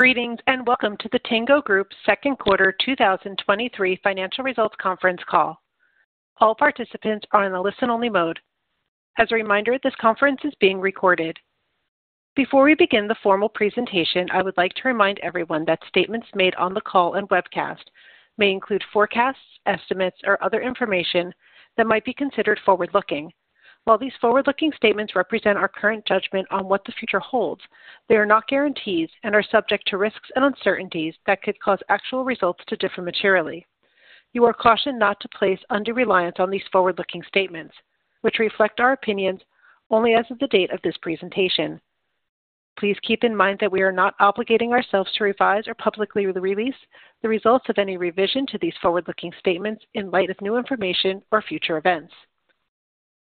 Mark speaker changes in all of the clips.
Speaker 1: Greetings, and welcome to the Tingo Group Second Quarter 2023 Financial Results Conference Call. All participants are in a listen-only mode. As a reminder, this conference is being recorded. Before we begin the formal presentation, I would like to remind everyone that statements made on the call and webcast may include forecasts, estimates, or other information that might be considered forward-looking. While these forward-looking statements represent our current judgment on what the future holds, they are not guarantees and are subject to risks and uncertainties that could cause actual results to differ materially. You are cautioned not to place undue reliance on these forward-looking statements, which reflect our opinions only as of the date of this presentation. Please keep in mind that we are not obligating ourselves to revise or publicly release the results of any revision to these forward-looking statements in light of new information or future events.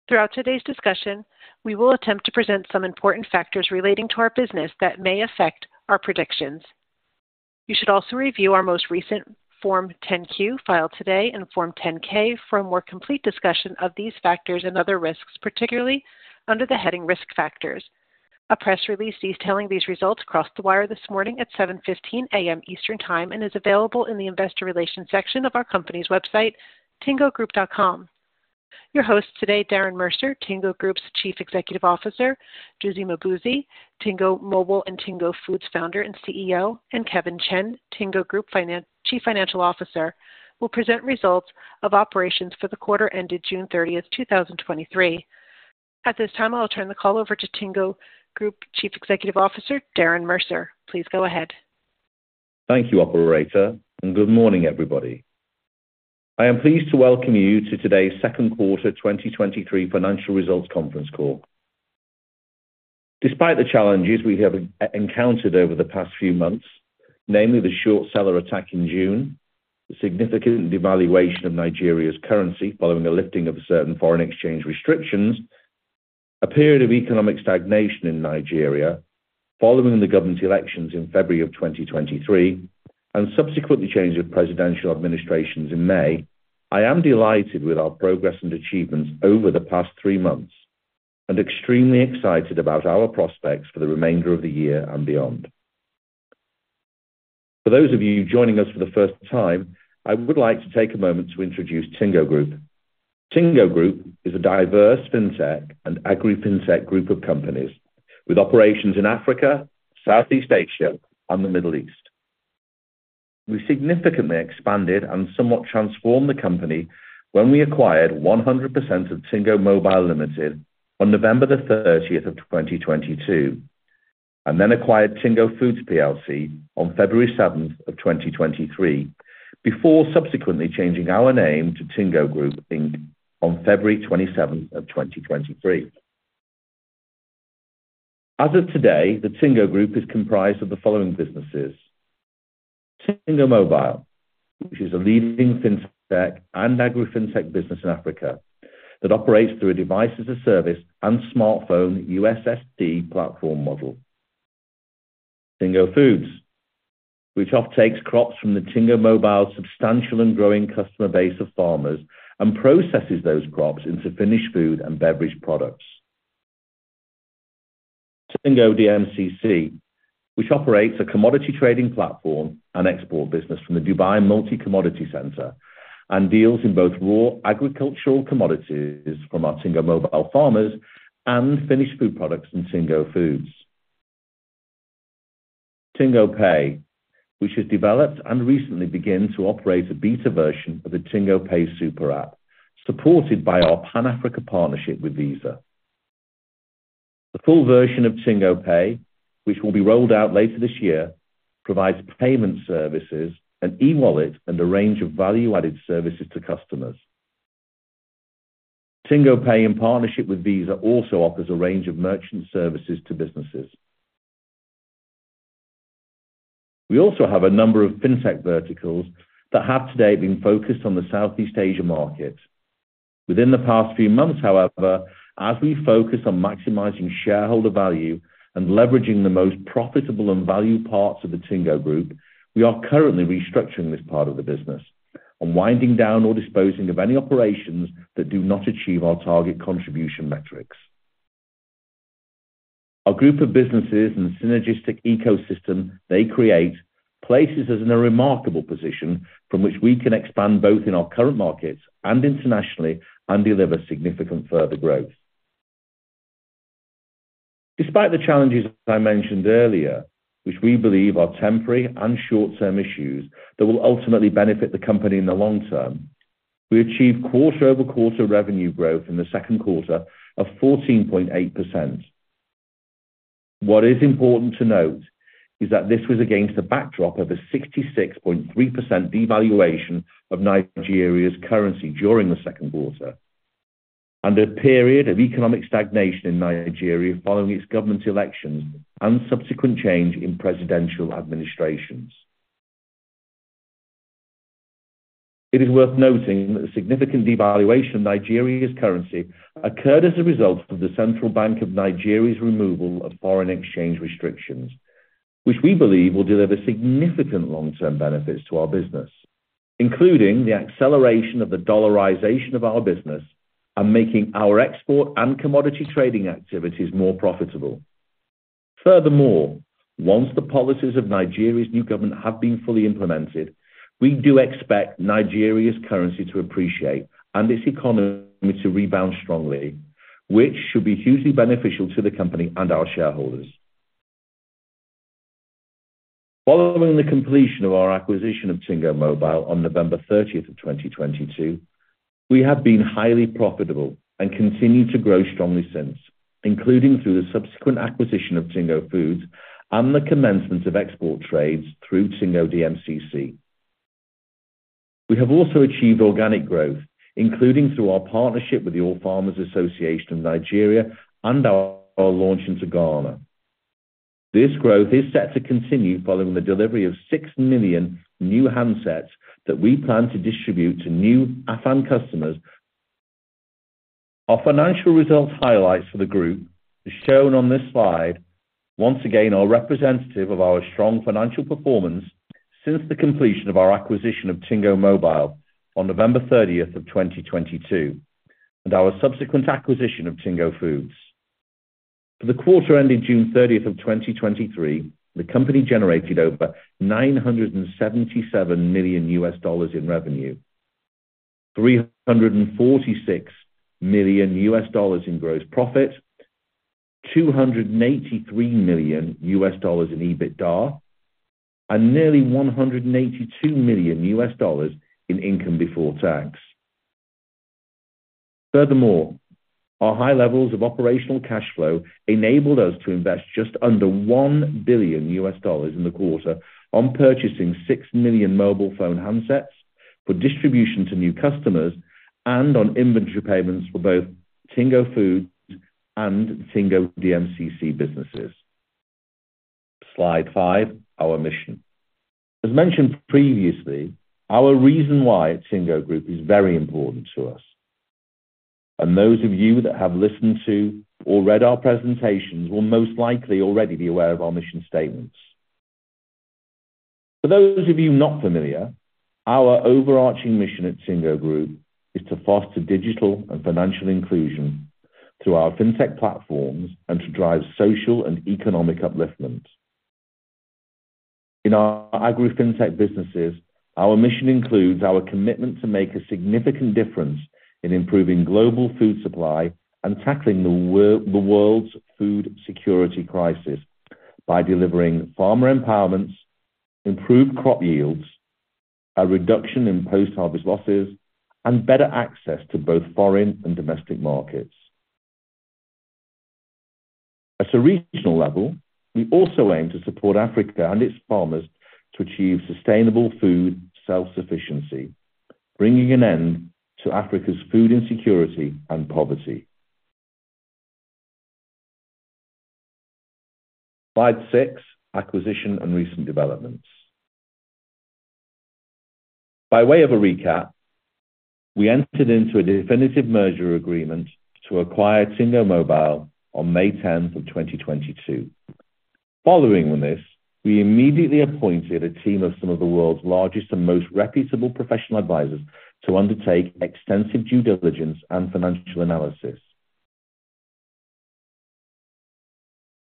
Speaker 1: Throughout today's discussion, we will attempt to present some important factors relating to our business that may affect our predictions. You should also review our most recent Form 10-Q, filed today, and Form 10-K for a more complete discussion of these factors and other risks, particularly under the heading Risk Factors. A press release detailing these results crossed the wire this morning at 7:15 A.M. Eastern Time and is available in the investor relations section of our company's website, tingogroup.com. Your hosts today, Darren Mercer, Tingo Group's Chief Executive Officer, Dozy Mmobuosi, Tingo Mobile and Tingo Foods Founder and CEO, and Kevin Chen, Tingo Group's Chief Financial Officer, will present results of operations for the quarter ended June 30, 2023. At this time, I'll turn the call over to Tingo Group Chief Executive Officer, Darren Mercer. Please go ahead.
Speaker 2: Thank you, operator, and good morning, everybody. I am pleased to welcome you to today's second quarter 2023 financial results conference call. Despite the challenges we have encountered over the past few months, namely the short seller attack in June, the significant devaluation of Nigeria's currency following the lifting of certain foreign exchange restrictions, a period of economic stagnation in Nigeria following the government's elections in February 2023, and subsequently, change of presidential administrations in May, I am delighted with our progress and achievements over the past 3 months, and extremely excited about our prospects for the remainder of the year and beyond. For those of you joining us for the first time, I would like to take a moment to introduce Tingo Group. Tingo Group is a diverse fintech and agri-fintech group of companies with operations in Africa, Southeast Asia, and the Middle East. We significantly expanded and somewhat transformed the company when we acquired 100% of Tingo Mobile Limited on November the 30th of 2022, and then acquired Tingo Foods PLC on February 7th of 2023, before subsequently changing our name to Tingo Group Inc. on February 27th of 2023. As of today, the Tingo Group is comprised of the following businesses: Tingo Mobile, which is a leading fintech and agri-fintech business in Africa, that operates through a Device-as-a-Service and smartphone USSD platform model. Tingo Foods, which offtakes crops from the Tingo Mobile substantial and growing customer base of farmers and processes those crops into finished food and beverage products. Tingo DMCC, which operates a commodity trading platform and export business from the Dubai Multi Commodities Centre, and deals in both raw agricultural commodities from our Tingo Mobile farmers and finished food products from Tingo Foods. TingoPay, which has developed and recently began to operate a beta version of the TingoPay Super App, supported by our Pan-Africa partnership with Visa. The full version of TingoPay, which will be rolled out later this year, provides payment services, an e-wallet, and a range of value-added services to customers. TingoPay, in partnership with Visa, also offers a range of merchant services to businesses. We also have a number of fintech verticals that have today been focused on the Southeast Asia market. Within the past few months, however, as we focus on maximizing shareholder value and leveraging the most profitable and value parts of the Tingo Group, we are currently restructuring this part of the business and winding down or disposing of any operations that do not achieve our target contribution metrics. Our group of businesses and the synergistic ecosystem they create, places us in a remarkable position from which we can expand both in our current markets and internationally, and deliver significant further growth. Despite the challenges that I mentioned earlier, which we believe are temporary and short-term issues that will ultimately benefit the company in the long term, we achieved quarter-over-quarter revenue growth in the second quarter of 14.8%. What is important to note is that this was against a backdrop of a 66.3% devaluation of Nigeria's currency during the second quarter, and a period of economic stagnation in Nigeria following its government elections and subsequent change in presidential administrations. It is worth noting that the significant devaluation of Nigeria's currency occurred as a result of the Central Bank of Nigeria's removal of foreign exchange restrictions, which we believe will deliver significant long-term benefits to our business, including the acceleration of the dollarization of our business and making our export and commodity trading activities more profitable. Furthermore, once the policies of Nigeria's new government have been fully implemented, we do expect Nigeria's currency to appreciate and its economy to rebound strongly, which should be hugely beneficial to the company and our shareholders. Following the completion of our acquisition of Tingo Mobile on November 30, 2022, we have been highly profitable and continue to grow strongly since, including through the subsequent acquisition of Tingo Foods and the commencement of export trades through Tingo DMCC. We have also achieved organic growth, including through our partnership with the All Farmers Association of Nigeria and our launch into Ghana. This growth is set to continue following the delivery of 6 million new handsets that we plan to distribute to new AFAN customers. Our financial results highlights for the group is shown on this slide, once again, are representative of our strong financial performance since the completion of our acquisition of Tingo Mobile on November 30, 2022, and our subsequent acquisition of Tingo Foods. For the quarter ending June 30, 2023, the company generated over $977 million in revenue, $346 million in gross profit, $283 million in EBITDA, and nearly $182 million in income before tax. Furthermore, our high levels of operational cash flow enabled us to invest just under $1 billion in the quarter on purchasing 6 million mobile phone handsets for distribution to new customers and on inventory payments for both Tingo Foods and Tingo DMCC businesses. Slide 5, our mission. As mentioned previously, our reason why at Tingo Group is very important to us, and those of you that have listened to or read our presentations will most likely already be aware of our mission statements. For those of you not familiar, our overarching mission at Tingo Group is to foster digital and financial inclusion through our fintech platforms and to drive social and economic upliftment. In our agri-fintech businesses, our mission includes our commitment to make a significant difference in improving global food supply and tackling the world's food security crisis by delivering farmer empowerments, improved crop yields, a reduction in post-harvest losses, and better access to both foreign and domestic markets. At a regional level, we also aim to support Africa and its farmers to achieve sustainable food self-sufficiency, bringing an end to Africa's food insecurity and poverty. Slide 6, acquisition and recent developments. By way of a recap, we entered into a definitive merger agreement to acquire Tingo Mobile on May 10, 2022. Following on this, we immediately appointed a team of some of the world's largest and most reputable professional advisors to undertake extensive due diligence and financial analysis.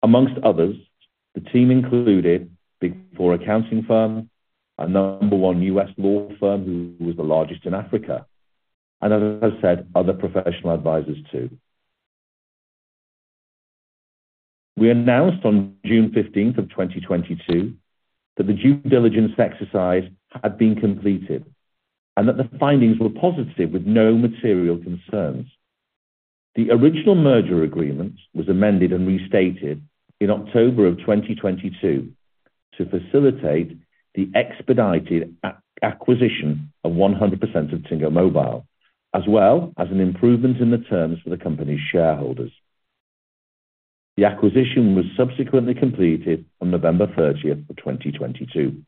Speaker 2: Among others, the team included Big Four accounting firm, a No. 1 U.S. law firm, who was the largest in Africa, and as I said, other professional advisors, too. We announced on June 15, 2022 that the due diligence exercise had been completed and that the findings were positive with no material concerns. The original merger agreement was amended and restated in October 2022 to facilitate the expedited acquisition of 100% of Tingo Mobile, as well as an improvement in the terms for the company's shareholders. The acquisition was subsequently completed on November 30, 2022.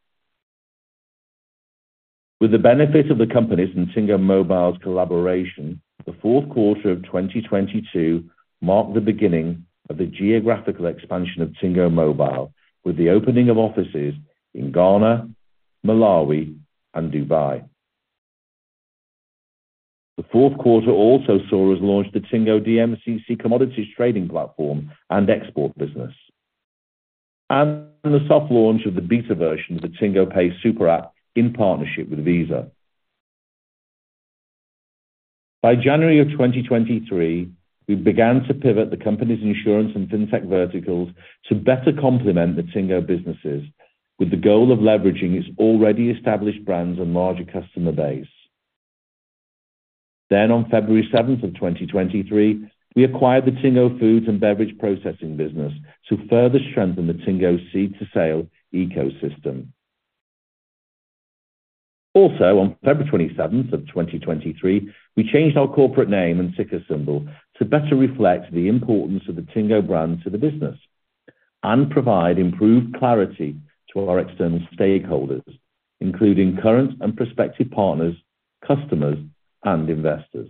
Speaker 2: With the benefit of the companies and Tingo Mobile's collaboration, the fourth quarter of 2022 marked the beginning of the geographical expansion of Tingo Mobile, with the opening of offices in Ghana, Malawi, and Dubai. The fourth quarter also saw us launch the Tingo DMCC commodities trading platform and export business, and the soft launch of the beta version of the TingoPay Super App in partnership with Visa. By January of 2023, we began to pivot the company's insurance and fintech verticals to better complement the Tingo businesses, with the goal of leveraging its already established brands and larger customer base. Then, on February 7th of 2023, we acquired the Tingo Foods and Beverage Processing business to further strengthen the Tingo seed-to-sale ecosystem. Also, on February 27, 2023, we changed our corporate name and ticker symbol to better reflect the importance of the Tingo brand to the business and provide improved clarity to our external stakeholders, including current and prospective partners, customers, and investors.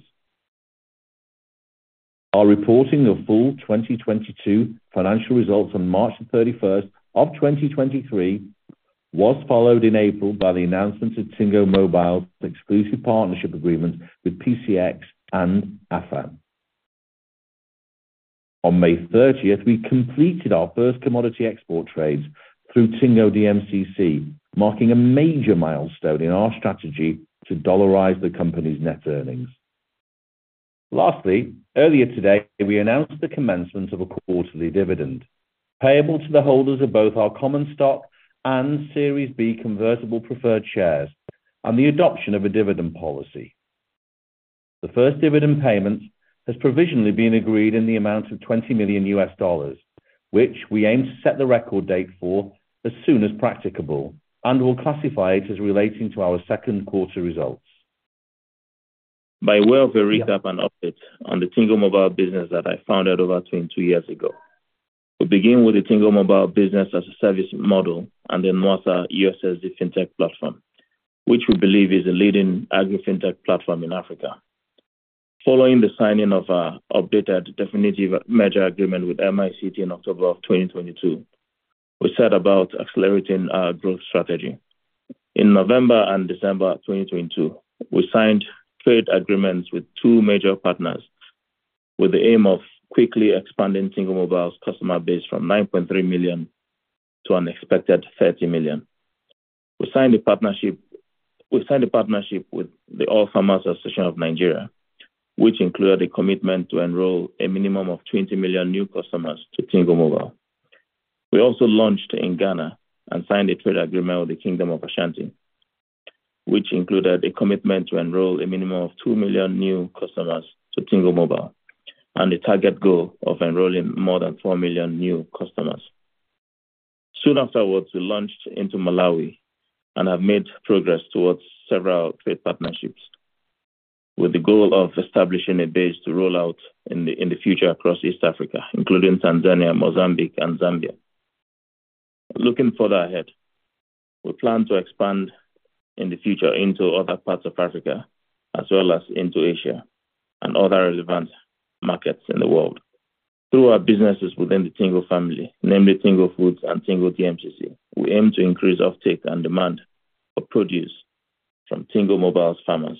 Speaker 2: Our reporting of full 2022 financial results on March 31, 2023, was followed in April by the announcement of Tingo Mobile's exclusive partnership agreement with PCX and AFAN. On May 30, we completed our first commodity export trades through Tingo DMCC, marking a major milestone in our strategy to dollarize the company's net earnings. Lastly, earlier today, we announced the commencement of a quarterly dividend payable to the holders of both our common stock and Series B Convertible Preferred Shares, and the adoption of a dividend policy. The first dividend payment has provisionally been agreed in the amount of $20 million, which we aim to set the record date for as soon as practicable, and will classify it as relating to our second quarter results.
Speaker 3: By way of a recap and update on the Tingo Mobile business that I founded over 22 years ago. We begin with the Tingo Mobile Business-as-a-Service model and the Nwassa USSD FinTech platform, which we believe is the leading Agri-FinTech platform in Africa. Following the signing of our updated definitive merger agreement with MICT in October 2022, we set about accelerating our growth strategy. In November and December 2022, we signed trade agreements with two major partners with the aim of quickly expanding Tingo Mobile's customer base from 9.3 million to an expected 30 million. We signed a partnership with the All Farmers Association of Nigeria, which included a commitment to enroll a minimum of 20 million new customers to Tingo Mobile. We also launched in Ghana and signed a trade agreement with the Kingdom of Ashanti, which included a commitment to enroll a minimum of 2 million new customers to Tingo Mobile, and a target goal of enrolling more than 4 million new customers. Soon afterwards, we launched into Malawi and have made progress towards several trade partnerships, with the goal of establishing a base to roll out in the future across East Africa, including Tanzania, Mozambique and Zambia. Looking further ahead, we plan to expand in the future into other parts of Africa as well as into Asia and other relevant markets in the world. Through our businesses within the Tingo family, namely Tingo Foods and Tingo DMCC, we aim to increase offtake and demand for produce from Tingo Mobile's farmers,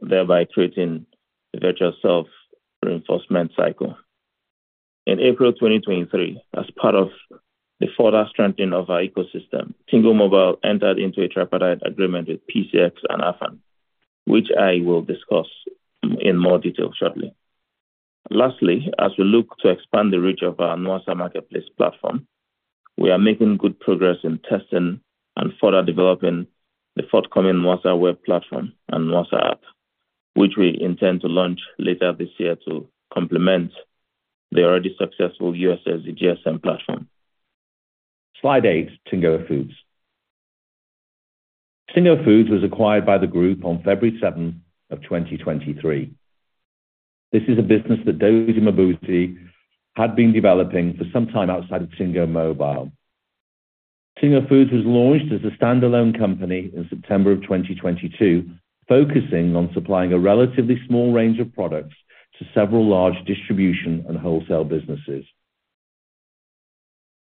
Speaker 3: thereby creating a virtual self-reinforcement cycle. In April 2023, as part of the further strengthening of our ecosystem, Tingo Mobile entered into a tripartite agreement with PCX and AFAN, which I will discuss in more detail shortly. Lastly, as we look to expand the reach of our Nwassa marketplace platform, we are making good progress in testing and further developing the forthcoming Nwassa web platform and Nwassa app, which we intend to launch later this year to complement the already successful USSD GSM platform.
Speaker 2: Slide 8, Tingo Foods. Tingo Foods was acquired by the group on February 7, 2023. This is a business that Dozy Mmobuosi had been developing for some time outside of Tingo Mobile. Tingo Foods was launched as a standalone company in September 2022, focusing on supplying a relatively small range of products to several large distribution and wholesale businesses.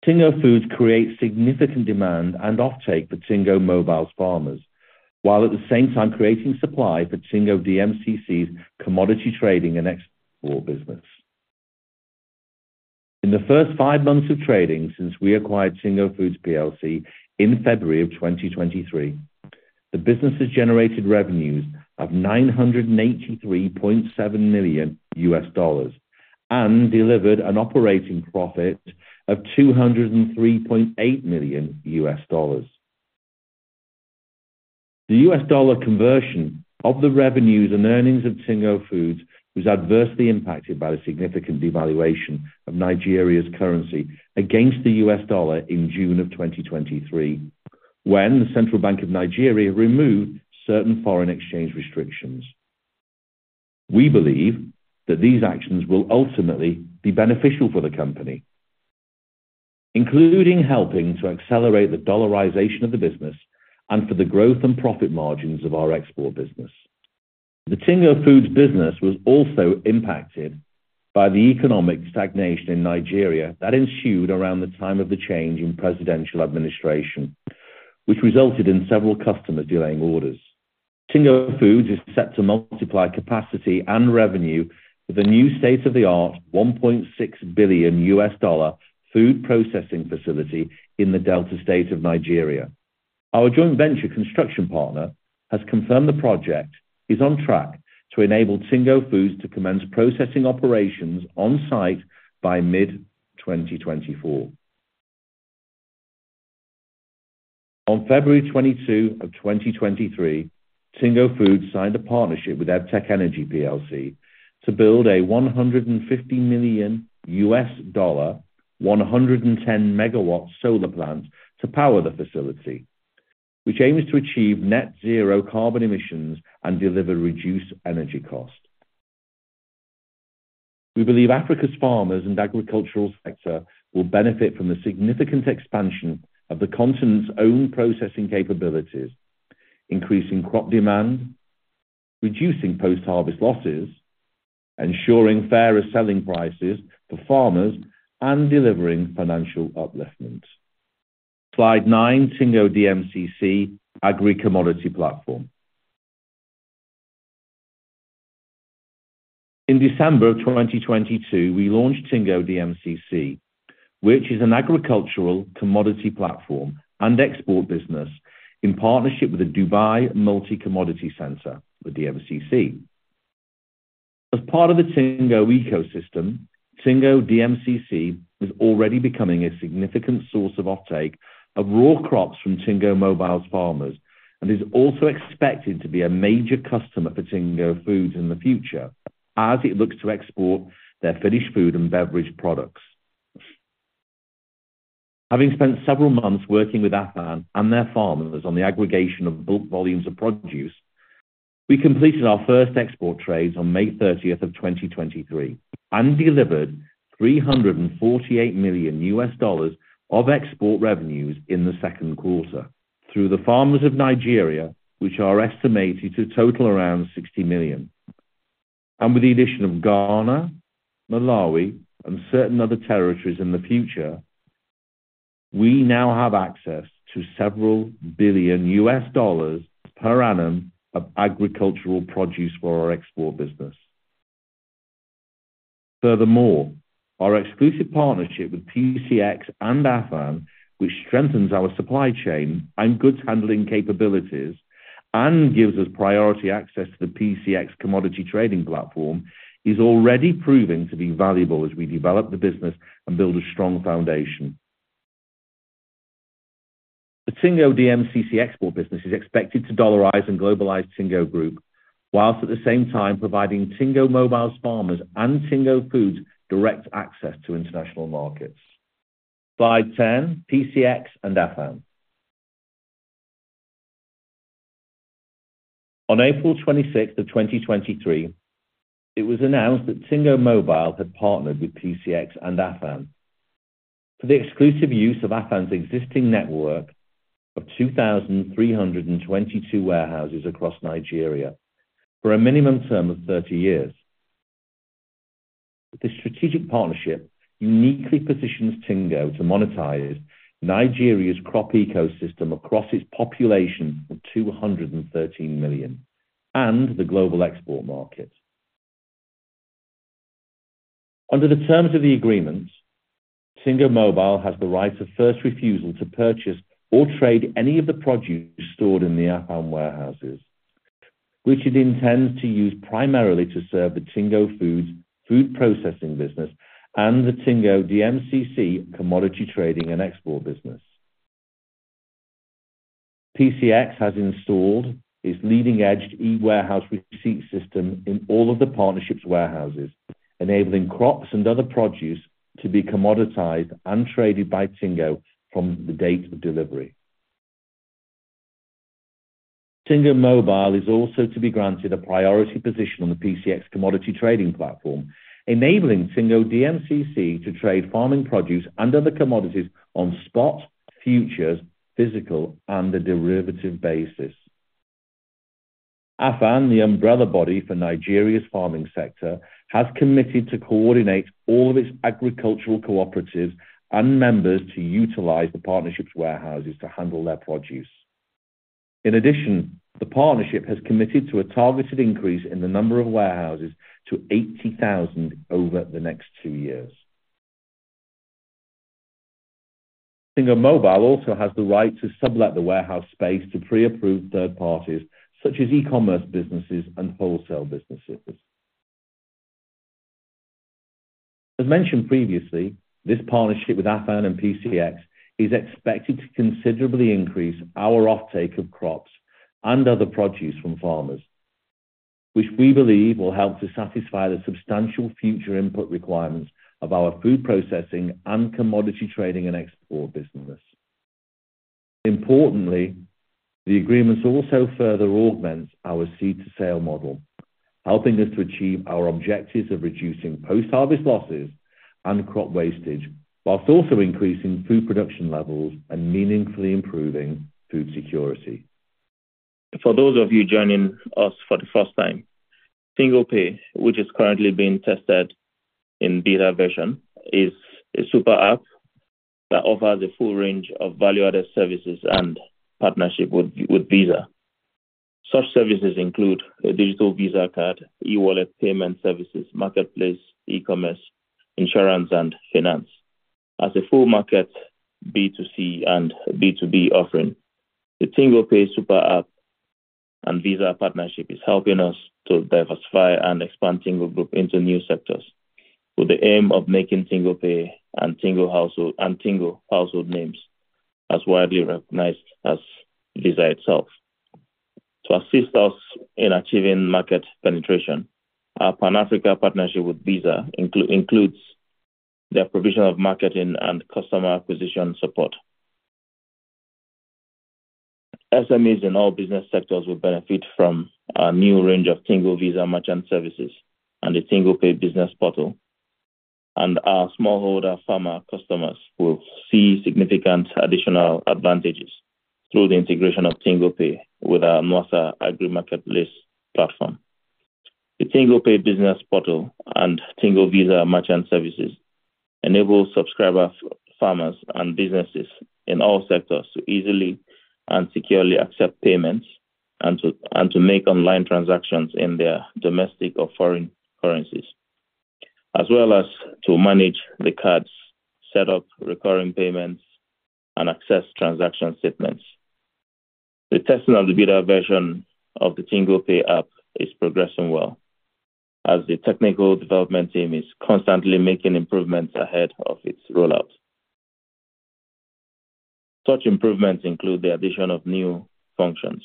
Speaker 2: Tingo Foods creates significant demand and offtake for Tingo Mobile's farmers, while at the same time creating supply for Tingo DMCC's commodity trading and export business. In the first 5 months of trading since we acquired Tingo Foods PLC in February 2023, the business has generated revenues of $983.7 million and delivered an operating profit of $203.8 million. The US dollar conversion of the revenues and earnings of Tingo Foods was adversely impacted by the significant devaluation of Nigeria's currency against the US dollar in June of 2023, when the Central Bank of Nigeria removed certain foreign exchange restrictions. We believe that these actions will ultimately be beneficial for the company, including helping to accelerate the dollarization of the business and for the growth and profit margins of our export business. The Tingo Foods business was also impacted by the economic stagnation in Nigeria that ensued around the time of the change in presidential administration, which resulted in several customers delaying orders. Tingo Foods is set to multiply capacity and revenue with a new state-of-the-art $1.6 billion food processing facility in the Delta State of Nigeria. Our joint venture construction partner has confirmed the project is on track to enable Tingo Foods to commence processing operations on site by mid-2024. On February 22, 2023, Tingo Foods signed a partnership with Evtec Energy PLC to build a $150 million, 110-megawatt solar plant to power the facility, which aims to achieve net zero carbon emissions and deliver reduced energy cost. We believe Africa's farmers and agricultural sector will benefit from the significant expansion of the continent's own processing capabilities... increasing crop demand, reducing post-harvest losses, ensuring fairer selling prices for farmers, and delivering financial upliftment. Slide 9, Tingo DMCC Agri Commodity Platform. In December 2022, we launched Tingo DMCC, which is an agricultural commodity platform and export business in partnership with the Dubai Multi Commodities Centre, the DMCC. As part of the Tingo ecosystem, Tingo DMCC is already becoming a significant source of offtake of raw crops from Tingo Mobile's farmers, and is also expected to be a major customer for Tingo Foods in the future as it looks to export their finished food and beverage products. Having spent several months working with AFAN and their farmers on the aggregation of bulk volumes of produce, we completed our first export trades on May 30, 2023, and delivered $348 million of export revenues in the second quarter through the farmers of Nigeria, which are estimated to total around 60 million. With the addition of Ghana, Malawi, and certain other territories in the future, we now have access to several billion US dollars per annum of agricultural produce for our export business. Furthermore, our exclusive partnership with PCX and AFAN, which strengthens our supply chain and goods handling capabilities and gives us priority access to the PCX commodity trading platform, is already proving to be valuable as we develop the business and build a strong foundation. The Tingo DMCC export business is expected to dollarize and globalize Tingo Group, while at the same time providing Tingo Mobile's farmers and Tingo Foods direct access to international markets. Slide 10, PCX and AFAN. On April 26th, 2023, it was announced that Tingo Mobile had partnered with PCX and AFAN for the exclusive use of AFAN's existing network of 2,322 warehouses across Nigeria for a minimum term of 30 years. This strategic partnership uniquely positions Tingo to monetize Nigeria's crop ecosystem across its population of 213 million and the global export market. Under the terms of the agreement, Tingo Mobile has the right of first refusal to purchase or trade any of the produce stored in the AFAN warehouses, which it intends to use primarily to serve the Tingo Foods food processing business and the Tingo DMCC commodity trading and export business. PCX has installed its leading-edge e-warehouse receipt system in all of the partnership's warehouses, enabling crops and other produce to be commoditized and traded by Tingo from the date of delivery. Tingo Mobile is also to be granted a priority position on the PCX commodity trading platform, enabling Tingo DMCC to trade farming produce and other commodities on spot, futures, physical, and a derivative basis. AFAN, the umbrella body for Nigeria's farming sector, has committed to coordinate all of its agricultural cooperatives and members to utilize the partnership's warehouses to handle their produce. In addition, the partnership has committed to a targeted increase in the number of warehouses to 80,000 over the next two years. Tingo Mobile also has the right to sublet the warehouse space to pre-approved third parties, such as e-commerce businesses and wholesale businesses. As mentioned previously, this partnership with AFAN and PCX is expected to considerably increase our offtake of crops and other produce from farmers, which we believe will help to satisfy the substantial future input requirements of our food processing and commodity trading and export business. Importantly, the agreements also further augment our seed-to-sale model, helping us to achieve our objectives of reducing post-harvest losses and crop wastage, while also increasing food production levels and meaningfully improving food security.
Speaker 3: For those of you joining us for the first time, TingoPay, which is currently being tested in beta version, is a super app that offers a full range of value-added services and partnership with Visa. Such services include a digital Visa card, e-wallet payment services, marketplace, e-commerce, insurance, and finance. As a full market B2C and B2B offering, the TingoPay Super App and Visa partnership is helping us to diversify and expand Tingo Group into new sectors, with the aim of making TingoPay and Tingo household names as widely recognized as Visa itself. To assist us in achieving market penetration, our Pan-Africa partnership with Visa includes their provision of marketing and customer acquisition support. SMEs in all business sectors will benefit from our new range of Tingo Visa merchant services and the TingoPay business portal. Our smallholder farmer customers will see significant additional advantages through the integration of TingoPay with our Nwassa Agri-Marketplace platform. The TingoPay business portal and Tingo Visa merchant services enable subscriber farmers and businesses in all sectors to easily and securely accept payments, and to make online transactions in their domestic or foreign currencies. As well as to manage the cards, set up recurring payments, and access transaction statements. The testing of the beta version of the TingoPay app is progressing well, as the technical development team is constantly making improvements ahead of its rollout. Such improvements include the addition of new functions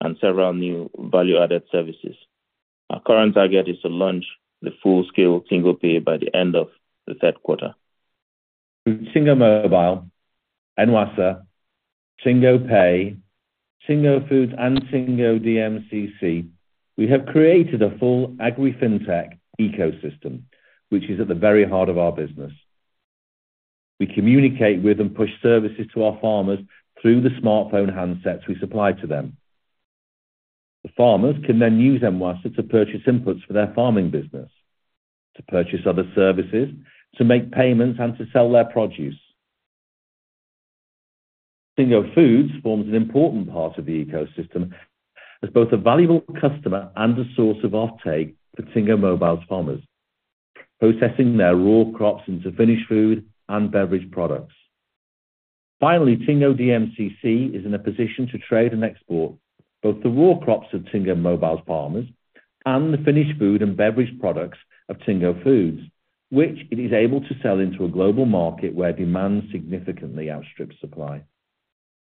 Speaker 3: and several new value-added services. Our current target is to launch the full-scale TingoPay by the end of the third quarter.
Speaker 2: Tingo Mobile, and Nwassa, TingoPay, Tingo Foods, and Tingo DMCC, we have created a full Agri-Fintech ecosystem, which is at the very heart of our business. We communicate with and push services to our farmers through the smartphone handsets we supply to them. The farmers can then use Nwassa to purchase inputs for their farming business, to purchase other services, to make payments, and to sell their produce. Tingo Foods forms an important part of the ecosystem as both a valuable customer and a source of offtake for Tingo Mobile's farmers, processing their raw crops into finished food and beverage products. Finally, Tingo DMCC is in a position to trade and export both the raw crops of Tingo Mobile's farmers and the finished food and beverage products of Tingo Foods, which it is able to sell into a global market where demand significantly outstrips supply.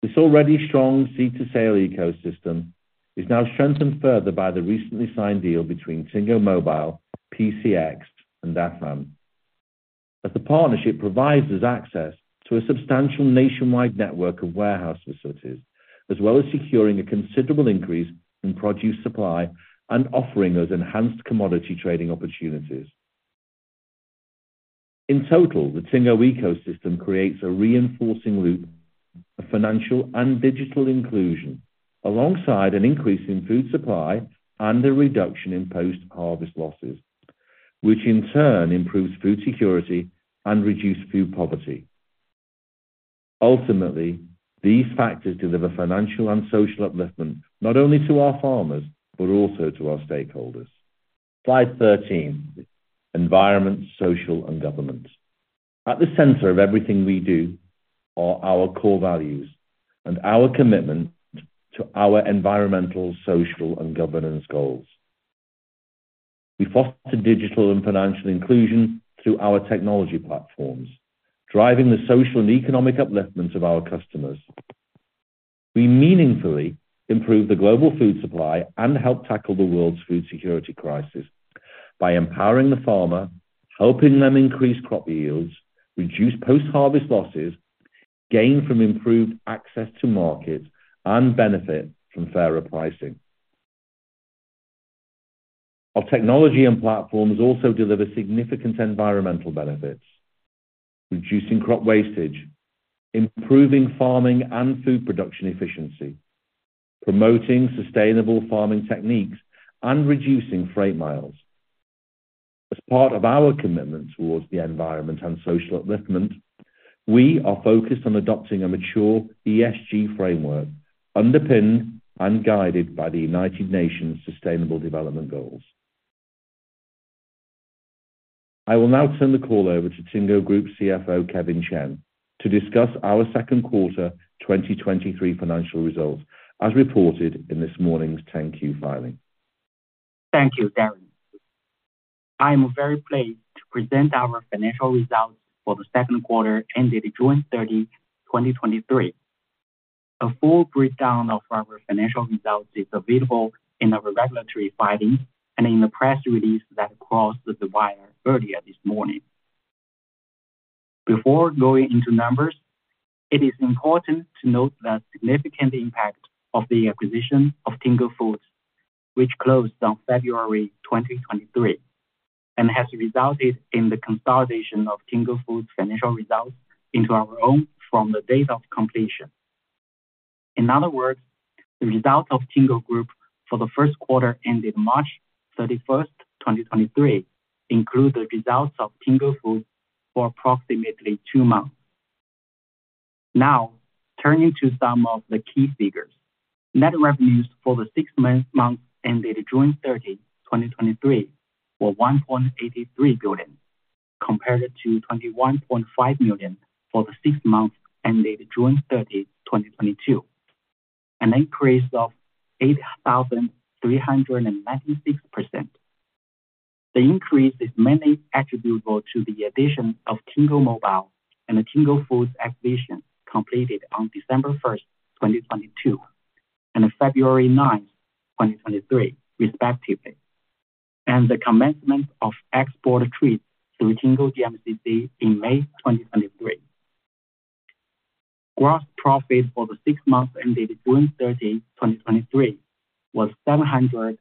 Speaker 2: This already strong seed-to-sale ecosystem is now strengthened further by the recently signed deal between Tingo Mobile, PCX, and AFAN. As the partnership provides us access to a substantial nationwide network of warehouse facilities, as well as securing a considerable increase in produce supply, and offering us enhanced commodity trading opportunities. In total, the Tingo ecosystem creates a reinforcing loop of financial and digital inclusion, alongside an increase in food supply and a reduction in post-harvest losses, which in turn improves food security and reduces food poverty. Ultimately, these factors deliver financial and social upliftment, not only to our farmers, but also to our stakeholders. Slide 13, environment, social, and governance. At the center of everything we do are our core values and our commitment to our environmental, social, and governance goals. We foster digital and financial inclusion through our technology platforms, driving the social and economic upliftment of our customers. We meaningfully improve the global food supply and help tackle the world's food security crisis by empowering the farmer, helping them increase crop yields, reduce post-harvest losses, gain from improved access to market, and benefit from fairer pricing. Our technology and platforms also deliver significant environmental benefits, reducing crop wastage, improving farming and food production efficiency, promoting sustainable farming techniques, and reducing freight miles. As part of our commitment towards the environment and social upliftment, we are focused on adopting a mature ESG framework, underpinned and guided by the United Nations Sustainable Development Goals. I will now turn the call over to Tingo Group CFO, Kevin Chen, to discuss our second quarter 2023 financial results, as reported in this morning's 10-Q filing.
Speaker 4: Thank you, Darren. I am very pleased to present our financial results for the second quarter ended June 30, 2023. A full breakdown of our financial results is available in our regulatory filing and in the press release that crossed the wire earlier this morning. Before going into numbers, it is important to note the significant impact of the acquisition of Tingo Foods, which closed on February 2023, and has resulted in the consolidation of Tingo Foods' financial results into our own from the date of completion. In other words, the results of Tingo Group for the first quarter ended March 31, 2023, include the results of Tingo Foods for approximately two months. Now, turning to some of the key figures. Net revenues for the six months ended June 30, 2023, were $1.83 billion, compared to $21.5 million for the six months ended June 30, 2022. An increase of 8,396%. The increase is mainly attributable to the addition of Tingo Mobile and the Tingo Foods acquisition, completed on December 1, 2022, and on February 9, 2023, respectively, and the commencement of export trade through Tingo DMCC in May 2023. Gross profit for the six months ended June 30, 2023, was $732.9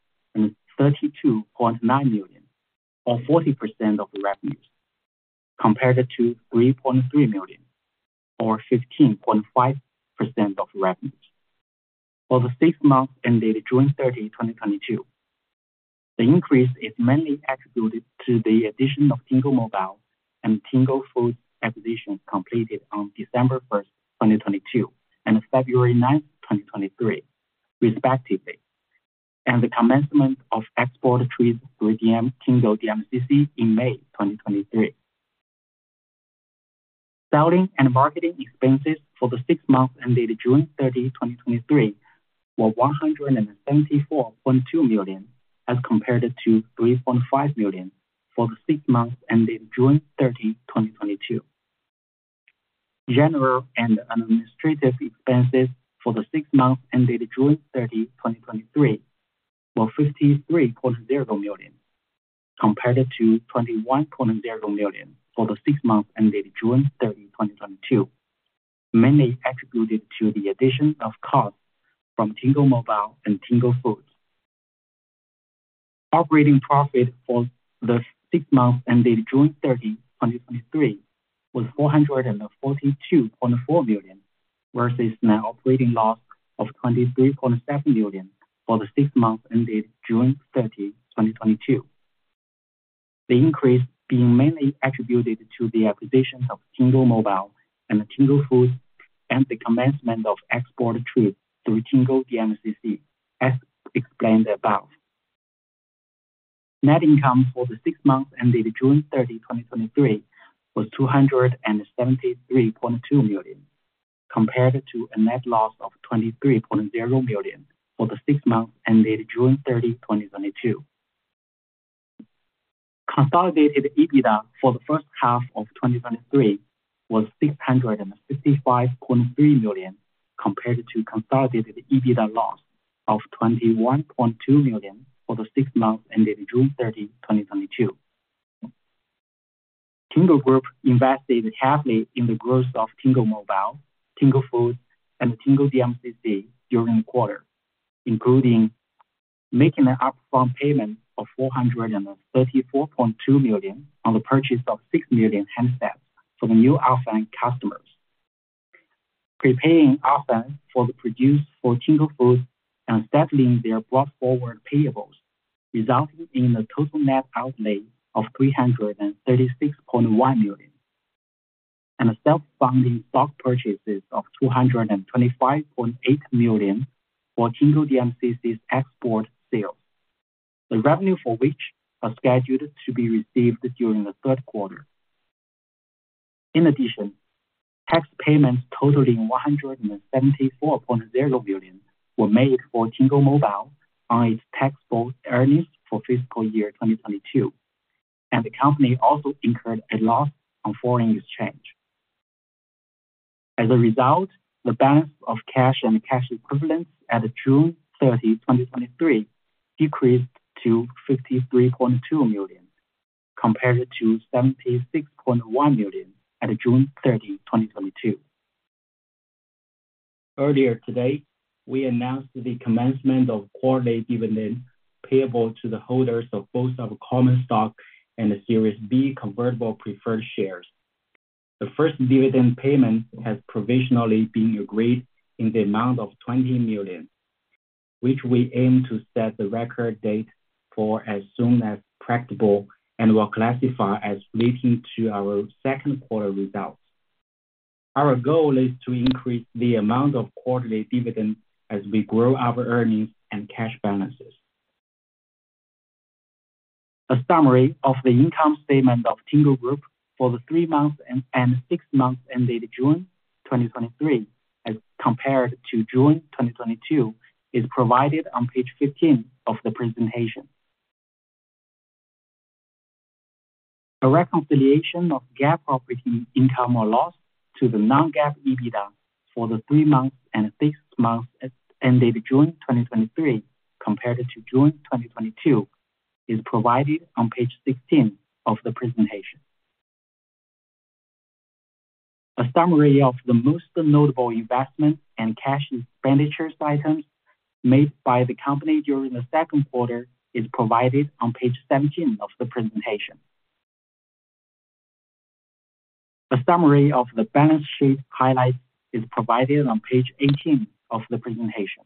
Speaker 4: million, or 40% of the revenue, compared to $3.3 million or 15.5% of revenue for the six months ended June 30, 2022. The increase is mainly attributed to the addition of Tingo Mobile and Tingo Foods acquisition completed on December 1, 2022, and February 9, 2023, respectively, and the commencement of export trades through Tingo DMCC in May 2023. Selling and marketing expenses for the six months ended June 30, 2023, were $174.2 million, as compared to $3.5 million for the six months ended June 30, 2022. General and administrative expenses for the six months ended June 30, 2023, were $53.0 million, compared to $21.0 million for the six months ended June 30, 2022, mainly attributed to the addition of costs from Tingo Mobile and Tingo Foods. Operating profit for the six months ended June 30, 2023, was $442.4 million, versus an operating loss of $23.7 million for the six months ended June 30, 2022. The increase being mainly attributed to the acquisitions of Tingo Mobile and Tingo Foods, and the commencement of export through Tingo DMCC, as explained above. Net income for the six months ended June 30, 2023, was $273.2 million, compared to a net loss of $23.0 million for the six months ended June 30, 2022. Consolidated EBITDA for the first half of 2023 was $655.3 million, compared to consolidated EBITDA loss of $21.2 million for the six months ended June 30, 2022. Tingo Group invested heavily in the growth of Tingo Mobile, Tingo Foods, and Tingo DMCC during the quarter, including making an upfront payment of $434.2 million on the purchase of 6 million handsets for the new offline customers. Prepaying upfront for the produce for Tingo Foods and settling their brought forward payables, resulting in a total net outlay of $336.1 million, and a self-funding stock purchases of $225.8 million for Tingo DMCC's export sales, the revenue for which are scheduled to be received during the third quarter. In addition, tax payments totaling 174.0 billion were made for Tingo Mobile on its taxable earnings for fiscal year 2022, and the company also incurred a loss on foreign exchange. As a result, the balance of cash and cash equivalents at June 30, 2023, decreased to $53.2 million, compared to $76.1 million at June 30, 2022. Earlier today, we announced the commencement of quarterly dividend payable to the holders of both our common stock and the Series B convertible preferred shares. The first dividend payment has provisionally been agreed in the amount of $20 million, which we aim to set the record date for as soon as practicable and will classify as relating to our second quarter results. Our goal is to increase the amount of quarterly dividend as we grow our earnings and cash balances. A summary of the income statement of Tingo Group for the three months and six months ended June 2023, as compared to June 2022, is provided on page 15 of the presentation. A reconciliation of GAAP operating income or loss to the non-GAAP EBITDA for the three months and six months ended June 2023, compared to June 2022, is provided on page 16 of the presentation. A summary of the most notable investment and cash expenditures items made by the company during the second quarter is provided on page 17 of the presentation. A summary of the balance sheet highlights is provided on page 18 of the presentation.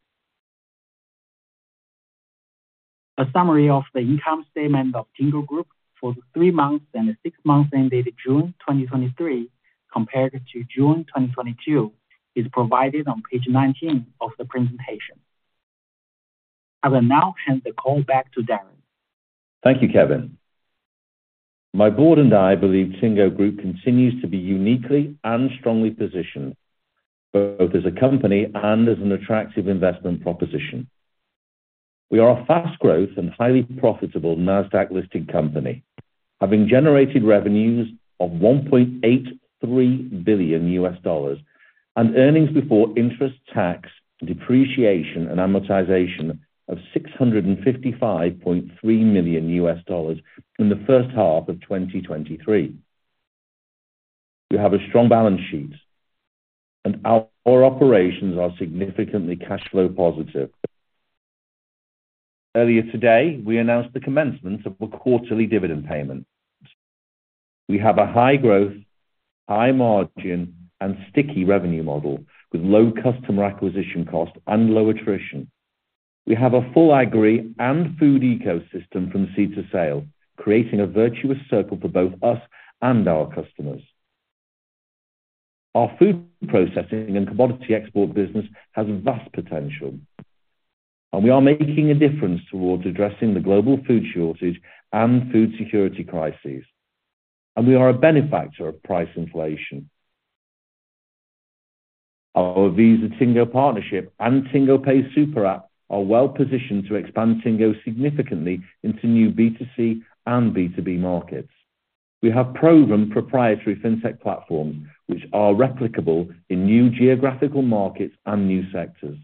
Speaker 4: A summary of the income statement of Tingo Group for the three months and the six months ended June 2023, compared to June 2022, is provided on page 19 of the presentation. I will now hand the call back to Darren.
Speaker 2: Thank you, Kevin. My board and I believe Tingo Group continues to be uniquely and strongly positioned, both as a company and as an attractive investment proposition. We are a fast growth and highly profitable NASDAQ-listed company, having generated revenues of $1.83 billion, and earnings before interest, tax, depreciation, and amortization of $655.3 million in the first half of 2023. We have a strong balance sheet, and our core operations are significantly cash flow positive. Earlier today, we announced the commencement of a quarterly dividend payment. We have a high growth, high margin, and sticky revenue model with low customer acquisition costs and low attrition. We have a full agri and food ecosystem from seed to sale, creating a virtuous circle for both us and our customers. Our food processing and commodity export business has vast potential, and we are making a difference towards addressing the global food shortage and food security crises. We are a benefactor of price inflation. Our Visa Tingo partnership and TingoPay Super App are well-positioned to expand Tingo significantly into new B2C and B2B markets. We have proven proprietary fintech platforms, which are replicable in new geographical markets and new sectors.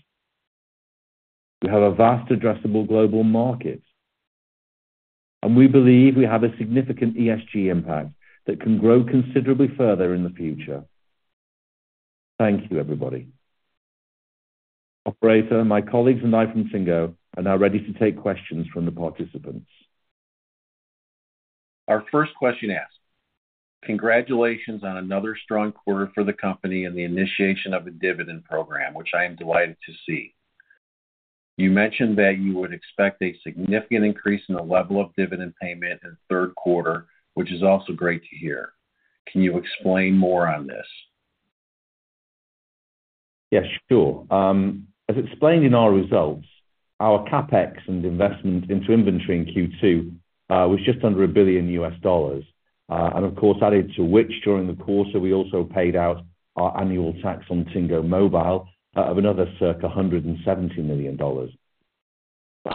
Speaker 2: We have a vast addressable global market, and we believe we have a significant ESG impact that can grow considerably further in the future. Thank you, everybody. Operator, my colleagues and I from Tingo are now ready to take questions from the participants.
Speaker 5: Our first question asked: Congratulations on another strong quarter for the company and the initiation of a dividend program, which I am delighted to see. You mentioned that you would expect a significant increase in the level of dividend payment in the third quarter, which is also great to hear. Can you explain more on this?
Speaker 2: Yes, sure. As explained in our results, our CapEx and investment into inventory in Q2 was just under $1 billion. And of course, added to which, during the quarter, we also paid out our annual tax on Tingo Mobile of another circa $170 million.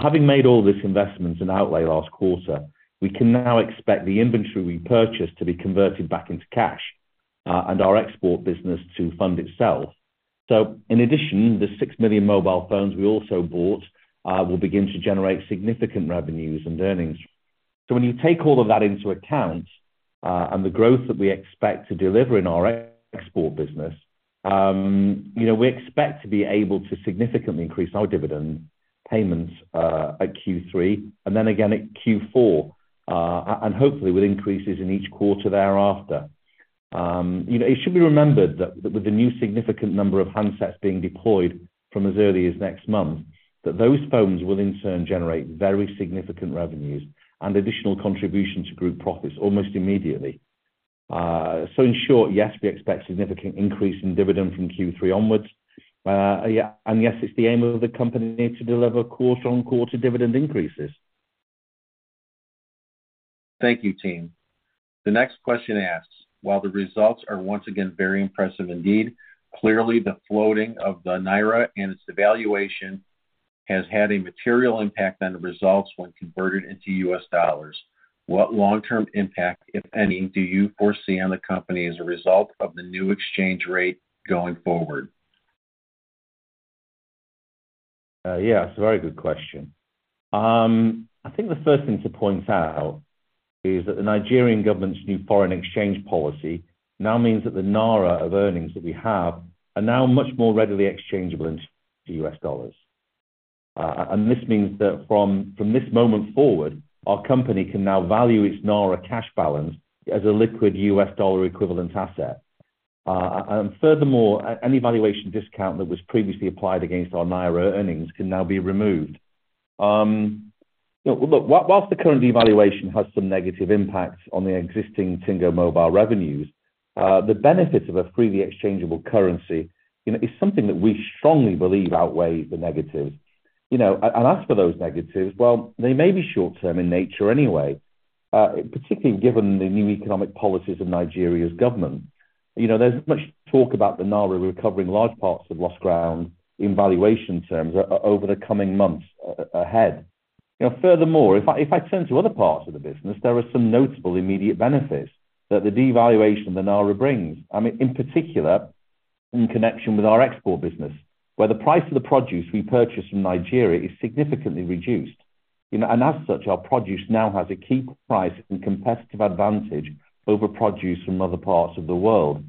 Speaker 2: Having made all this investment and outlay last quarter, we can now expect the inventory we purchased to be converted back into cash, and our export business to fund itself. So in addition, the 6 million mobile phones we also bought will begin to generate significant revenues and earnings. So when you take all of that into account, and the growth that we expect to deliver in our export business, you know, we expect to be able to significantly increase our dividend payments, at Q3 and then again at Q4, and hopefully with increases in each quarter thereafter. You know, it should be remembered that with the new significant number of handsets being deployed from as early as next month, that those phones will in turn generate very significant revenues and additional contribution to group profits almost immediately. So in short, yes, we expect significant increase in dividend from Q3 onwards. Yeah, and yes, it's the aim of the company to deliver quarter-on-quarter dividend increases.
Speaker 5: Thank you, team. The next question asks: While the results are once again very impressive indeed, clearly the floating of the naira and its devaluation has had a material impact on the results when converted into U.S. dollars. What long-term impact, if any, do you foresee on the company as a result of the new exchange rate going forward?
Speaker 2: Yeah, it's a very good question. I think the first thing to point out is that the Nigerian government's new foreign exchange policy now means that the naira of earnings that we have are now much more readily exchangeable into US dollars. This means that from this moment forward, our company can now value its naira cash balance as a liquid US dollar equivalent asset. Furthermore, any valuation discount that was previously applied against our naira earnings can now be removed. Look, while the current devaluation has some negative impacts on the existing Tingo Mobile revenues, the benefits of a freely exchangeable currency, you know, is something that we strongly believe outweighs the negatives. You know, and as for those negatives, well, they may be short term in nature anyway, particularly given the new economic policies of Nigeria's government. You know, there's much talk about the naira recovering large parts of lost ground in valuation terms over the coming months, ahead. You know, furthermore, if I turn to other parts of the business, there are some notable immediate benefits that the devaluation of the naira brings. I mean, in particular, in connection with our export business, where the price of the produce we purchase from Nigeria is significantly reduced. You know, and as such, our produce now has a key price and competitive advantage over produce from other parts of the world.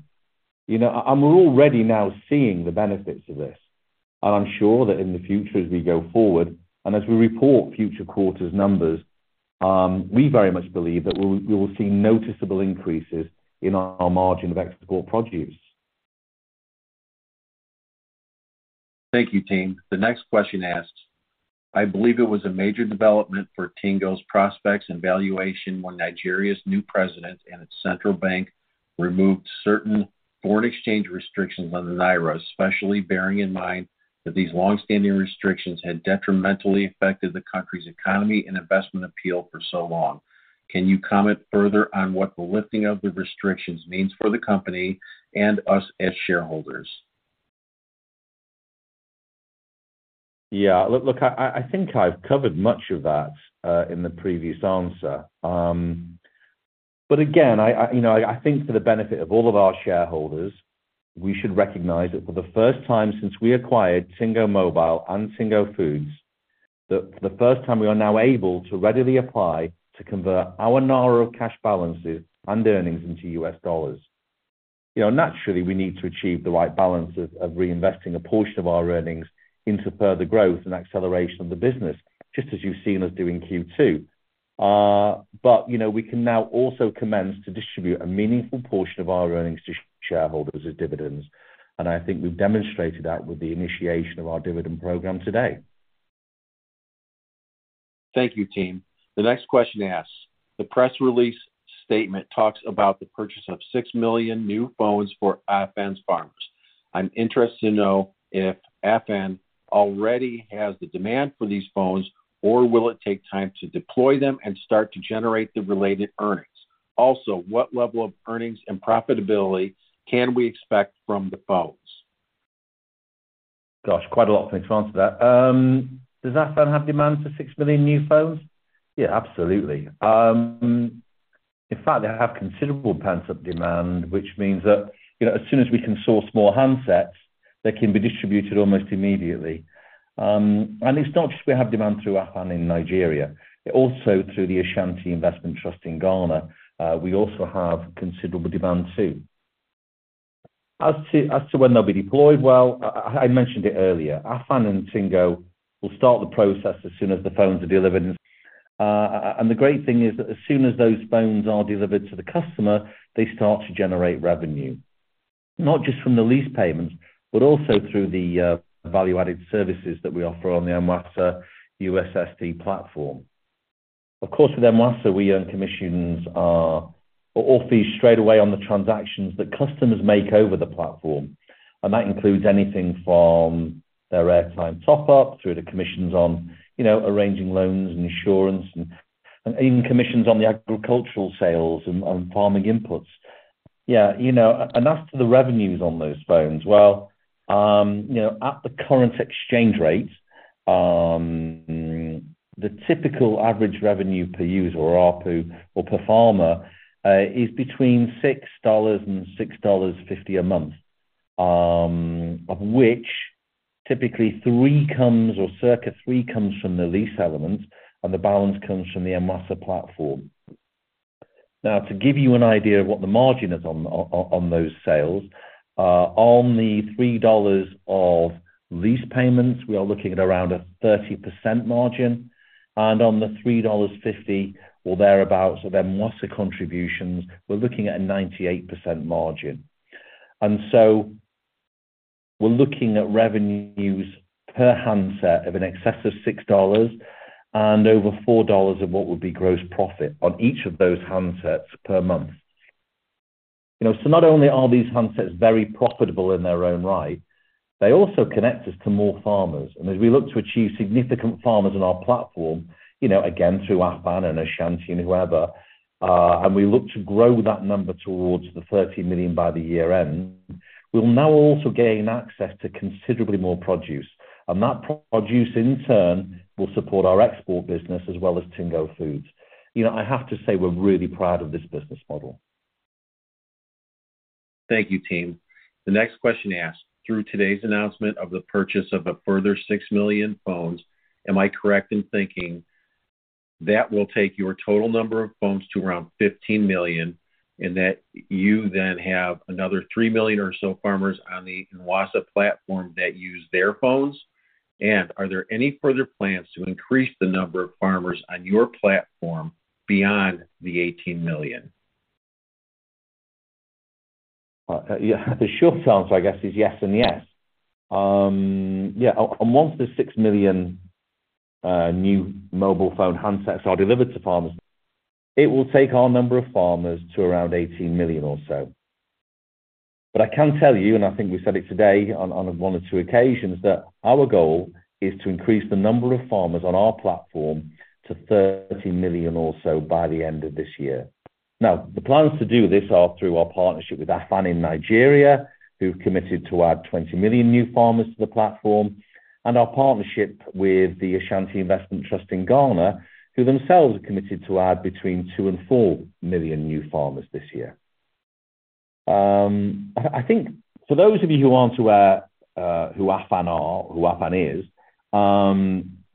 Speaker 2: You know, and we're already now seeing the benefits of this, and I'm sure that in the future, as we go forward and as we report future quarters' numbers, we very much believe that we, we will see noticeable increases in our margin of export produce.
Speaker 5: Thank you, team. The next question asks: I believe it was a major development for Tingo's prospects and valuation when Nigeria's new president and its central bank removed certain foreign exchange restrictions on the naira, especially bearing in mind that these long-standing restrictions had detrimentally affected the country's economy and investment appeal for so long. Can you comment further on what the lifting of the restrictions means for the company and us as shareholders?
Speaker 2: Yeah. Look, I think I've covered much of that in the previous answer. But again, you know, I think for the benefit of all of our shareholders, we should recognize that for the first time since we acquired Tingo Mobile and Tingo Foods, that for the first time, we are now able to readily apply to convert our naira cash balances and earnings into U.S. dollars. You know, naturally, we need to achieve the right balance of reinvesting a portion of our earnings into further growth and acceleration of the business, just as you've seen us do in Q2. But, you know, we can now also commence to distribute a meaningful portion of our earnings to shareholders as dividends, and I think we've demonstrated that with the initiation of our dividend program today.
Speaker 5: Thank you, team. The next question asks: "The press release statement talks about the purchase of 6 million new phones for AFAN's farmers. I'm interested to know if AFAN already has the demand for these phones, or will it take time to deploy them and start to generate the related earnings? Also, what level of earnings and profitability can we expect from the phones?
Speaker 2: Gosh, quite a lot of things to answer that. Does AFAN have demand for 6 million new phones? Yeah, absolutely. In fact, they have considerable pent-up demand, which means that, you know, as soon as we can source more handsets, they can be distributed almost immediately. And it's not just we have demand through AFAN in Nigeria, but also through the Ashanti Investment Trust in Ghana. We also have considerable demand, too. As to when they'll be deployed, well, I mentioned it earlier, AFAN and Tingo will start the process as soon as the phones are delivered. And the great thing is that as soon as those phones are delivered to the customer, they start to generate revenue, not just from the lease payments, but also through the value-added services that we offer on the Nwassa USSD platform. Of course, with Nwassa, we earn commissions, or all fees straight away on the transactions that customers make over the platform. And that includes anything from their airtime top-up to the commissions on, you know, arranging loans and insurance and even commissions on the agricultural sales and farming inputs. Yeah, you know, and as to the revenues on those phones, well, you know, at the current exchange rate, the typical average revenue per user or ARPU, or per farmer, is between $6 and $6.50 a month, of which typically $3 comes or circa $3 comes from the lease elements, and the balance comes from the Nwassa platform. Now, to give you an idea of what the margin is on those sales, on the $3 of lease payments, we are looking at around a 30% margin, and on the $3.50 or thereabout, so the Nwassa contributions, we're looking at a 98% margin. And so we're looking at revenues per handset of in excess of $6 and over $4 of what would be gross profit on each of those handsets per month. You know, so not only are these handsets very profitable in their own right, they also connect us to more farmers. And as we look to achieve significant farmers on our platform, you know, again, through AFAN and Ashanti and whoever, and we look to grow that number towards the 30 million by the year end, we'll now also gain access to considerably more produce. And that produce, in turn, will support our export business as well as Tingo Foods. You know, I have to say, we're really proud of this business model.
Speaker 5: Thank you, team. The next question asked: "Through today's announcement of the purchase of a further 6 million phones, am I correct in thinking that will take your total number of phones to around 15 million, and that you then have another 3 million or so farmers on the Nwassa platform that use their phones? And are there any further plans to increase the number of farmers on your platform beyond the 18 million?
Speaker 2: Yeah, the short answer, I guess, is yes and yes. Yeah, and once the 6 million new mobile phone handsets are delivered to farmers, it will take our number of farmers to around 18 million or so. But I can tell you, and I think we said it today on one or two occasions, that our goal is to increase the number of farmers on our platform to 30 million or so by the end of this year. Now, the plans to do this are through our partnership with AFAN in Nigeria, who've committed to add 20 million new farmers to the platform, and our partnership with the Ashanti Investment Trust in Ghana, who themselves are committed to add between 2 and 4 million new farmers this year. I think for those of you who aren't aware, who AFAN are, who AFAN is,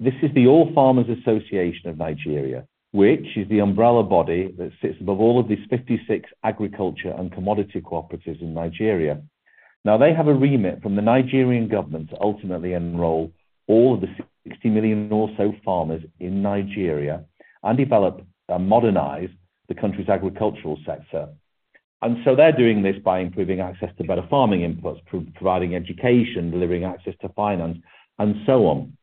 Speaker 2: this is the All Farmers Association of Nigeria, which is the umbrella body that sits above all of these 56 agriculture and commodity cooperatives in Nigeria. Now, they have a remit from the Nigerian government to ultimately enroll all the 60 million or so farmers in Nigeria and develop and modernize the country's agricultural sector. And so they're doing this by improving access to better farming inputs, providing education, delivering access to finance, and so on.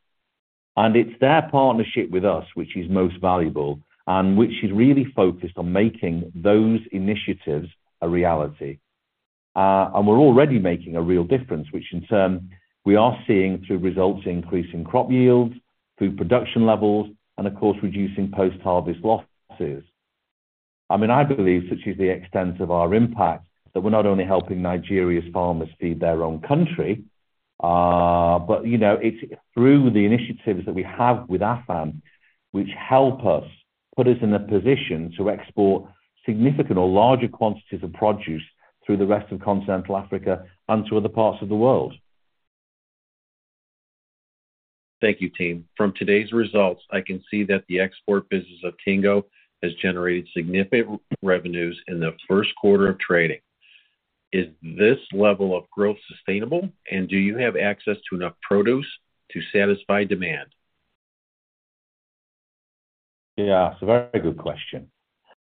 Speaker 2: And it's their partnership with us which is most valuable and which is really focused on making those initiatives a reality. And we're already making a real difference, which in turn, we are seeing through results in increasing crop yields, food production levels, and of course, reducing post-harvest losses. I mean, I believe such is the extent of our impact, that we're not only helping Nigeria's farmers feed their own country, but you know, it's through the initiatives that we have with AFAN, which help us put us in a position to export significant or larger quantities of produce through the rest of continental Africa and to other parts of the world....
Speaker 5: Thank you, Team. From today's results, I can see that the export business of Tingo has generated significant revenues in the first quarter of trading. Is this level of growth sustainable, and do you have access to enough produce to satisfy demand?
Speaker 2: Yeah, it's a very good question.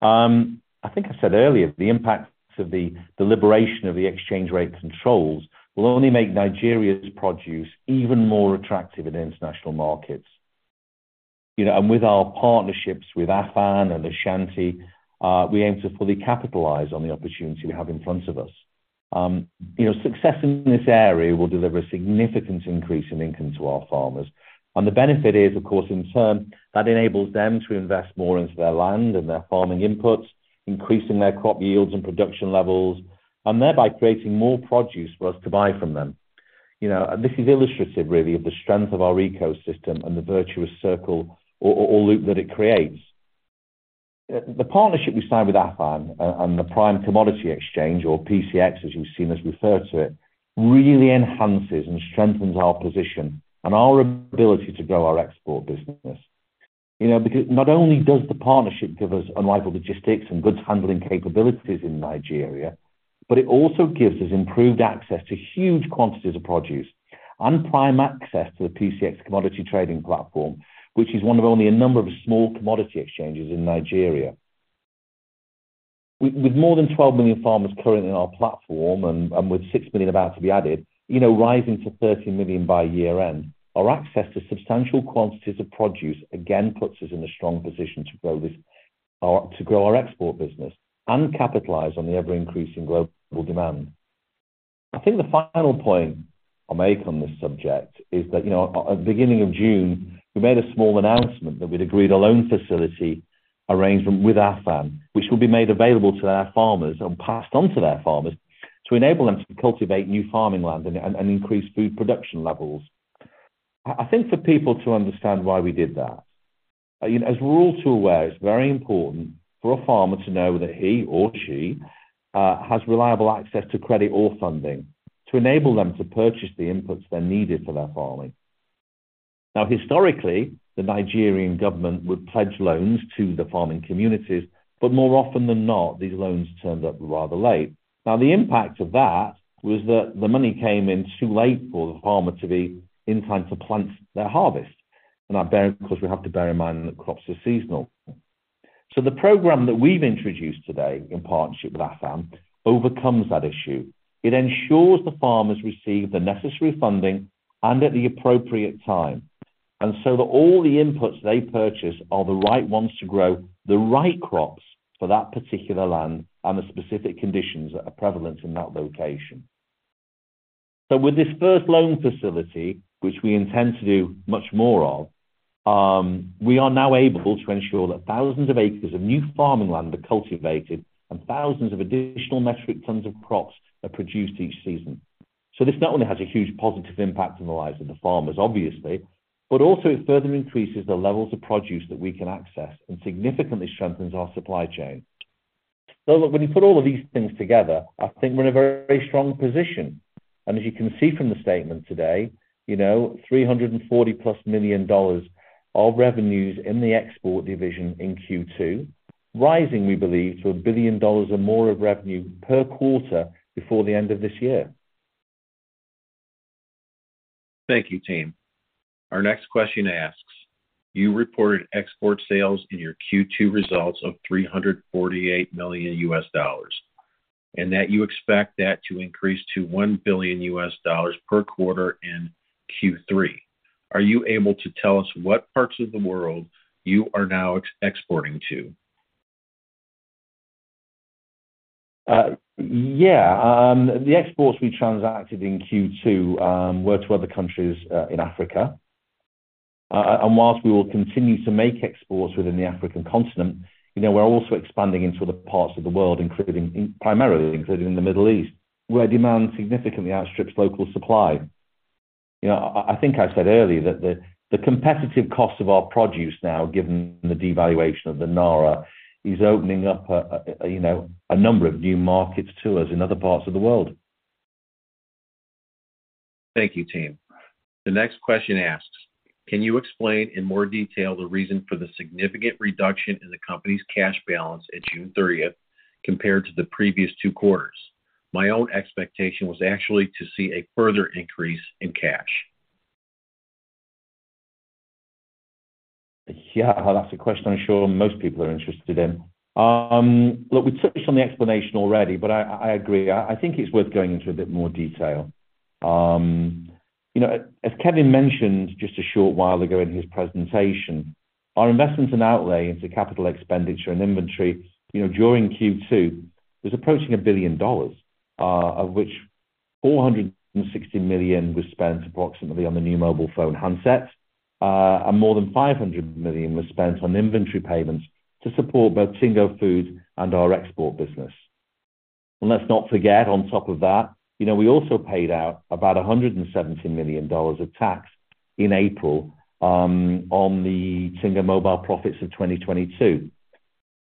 Speaker 2: I think I said earlier, the impacts of the liberation of the exchange rate controls will only make Nigeria's produce even more attractive in international markets. You know, and with our partnerships with AFAN and Ashanti, we aim to fully capitalize on the opportunity we have in front of us. You know, success in this area will deliver a significant increase in income to our farmers. And the benefit is, of course, in turn, that enables them to invest more into their land and their farming inputs, increasing their crop yields and production levels, and thereby creating more produce for us to buy from them. You know, and this is illustrative, really, of the strength of our ecosystem and the virtuous circle or loop that it creates. The partnership we signed with AFAN and the Prime Commodity Exchange, or PCX, as you've seen us refer to it, really enhances and strengthens our position and our ability to grow our export business. You know, because not only does the partnership give us reliable logistics and goods handling capabilities in Nigeria, but it also gives us improved access to huge quantities of produce and prime access to the PCX commodity trading platform. Which is one of only a number of small commodity exchanges in Nigeria. With more than 12 million farmers currently in our platform and with 6 million about to be added, you know, rising to 13 million by year-end, our access to substantial quantities of produce again puts us in a strong position to grow this, to grow our export business and capitalize on the ever-increasing global demand. I think the final point I'll make on this subject is that, you know, at the beginning of June, we made a small announcement that we'd agreed a loan facility arrangement with AFAN, which will be made available to their farmers and passed on to their farmers to enable them to cultivate new farming land and increase food production levels. I think for people to understand why we did that, you know, as we're all too aware, it's very important for a farmer to know that he or she has reliable access to credit or funding to enable them to purchase the inputs they needed for their farming. Now, historically, the Nigerian government would pledge loans to the farming communities, but more often than not, these loans turned up rather late. Now, the impact of that was that the money came in too late for the farmer to be in time to plant their harvest. Of course, we have to bear in mind that crops are seasonal. So the program that we've introduced today in partnership with AFAN overcomes that issue. It ensures the farmers receive the necessary funding and at the appropriate time, and so that all the inputs they purchase are the right ones to grow the right crops for that particular land and the specific conditions that are prevalent in that location. So with this first loan facility, which we intend to do much more of, we are now able to ensure that thousands of acres of new farming land are cultivated and thousands of additional metric tons of crops are produced each season. So this not only has a huge positive impact on the lives of the farmers, obviously, but also it further increases the levels of produce that we can access and significantly strengthens our supply chain. So look, when you put all of these things together, I think we're in a very strong position. And as you can see from the statement today, you know, $340+ million of revenues in the export division in Q2, rising, we believe, to $1 billion or more of revenue per quarter before the end of this year.
Speaker 5: Thank you, Team. Our next question asks: You reported export sales in your Q2 results of $348 million, and that you expect that to increase to $1 billion per quarter in Q3. Are you able to tell us what parts of the world you are now exporting to?
Speaker 2: Yeah. The exports we transacted in Q2 were to other countries in Africa. Whilst we will continue to make exports within the African continent, you know, we're also expanding into other parts of the world, including, primarily, including the Middle East, where demand significantly outstrips local supply. You know, I think I said earlier that the competitive cost of our produce now, given the devaluation of the naira, is opening up a, you know, a number of new markets to us in other parts of the world.
Speaker 5: Thank you, Team. The next question asks: Can you explain in more detail the reason for the significant reduction in the company's cash balance at June thirtieth compared to the previous two quarters? My own expectation was actually to see a further increase in cash.
Speaker 2: Yeah, that's a question I'm sure most people are interested in. Look, we touched on the explanation already, but I agree. I think it's worth going into a bit more detail. You know, as Kevin mentioned just a short while ago in his presentation, our investments and outlay into capital expenditure and inventory, you know, during Q2, was approaching $1 billion, of which $460 million was spent approximately on the new mobile phone handsets. And more than $500 million was spent on inventory payments to support both Tingo Foods and our export business. And let's not forget, on top of that, you know, we also paid out about $170 million of tax in April, on the Tingo Mobile profits of 2022....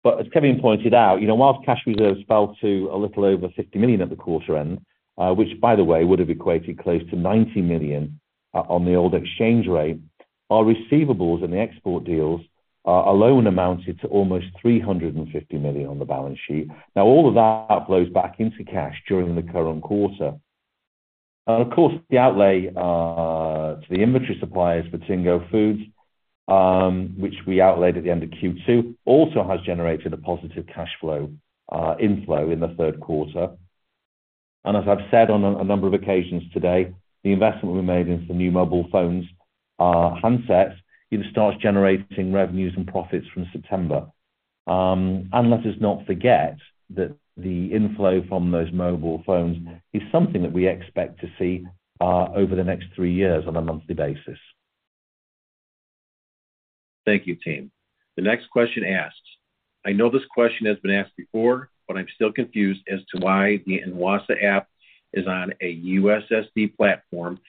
Speaker 2: But as Kevin pointed out, you know, while cash reserves fell to a little over $50 million at the quarter end, which by the way, would have equated close to $90 million, on the old exchange rate. Our receivables in the export deals, alone amounted to almost $350 million on the balance sheet. Now, all of that flows back into cash during the current quarter. Of course, the outlay, to the inventory suppliers for Tingo Foods, which we outlaid at the end of Q2, also has generated a positive cash flow, inflow in the third quarter. And as I've said on a number of occasions today, the investment we made into the new mobile phones, handsets, it starts generating revenues and profits from September. Let us not forget that the inflow from those mobile phones is something that we expect to see, over the next three years on a monthly basis.
Speaker 5: Thank you, team. The next question asks: I know this question has been asked before, but I'm still confused as to why the Nwassa app is on a USSD platform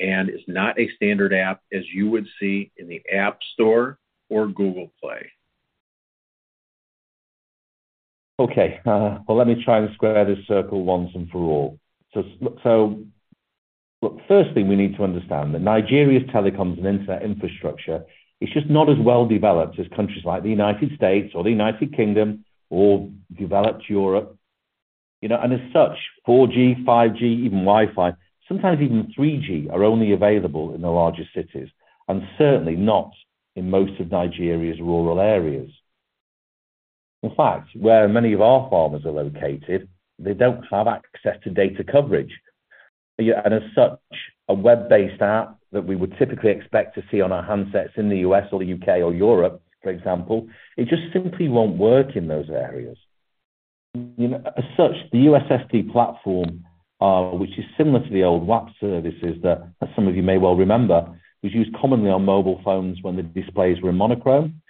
Speaker 5: and is not a standard app as you would see in the App Store or Google Play?
Speaker 2: Okay. Well, let me try and square this circle once and for all. So, look, firstly, we need to understand that Nigeria's telecoms and internet infrastructure is just not as well developed as countries like the United States or the United Kingdom or developed Europe, you know. And as such, 4G, 5G, even Wi-Fi, sometimes even 3G, are only available in the larger cities and certainly not in most of Nigeria's rural areas. In fact, where many of our farmers are located, they don't have access to data coverage. Yeah, and as such, a web-based app that we would typically expect to see on our handsets in the U.S. or the U.K. or Europe, for example, it just simply won't work in those areas. You know, as such, the USSD platform, which is similar to the old WAP services, that as some of you may well remember, was used commonly on mobile phones when the displays were in monochrome,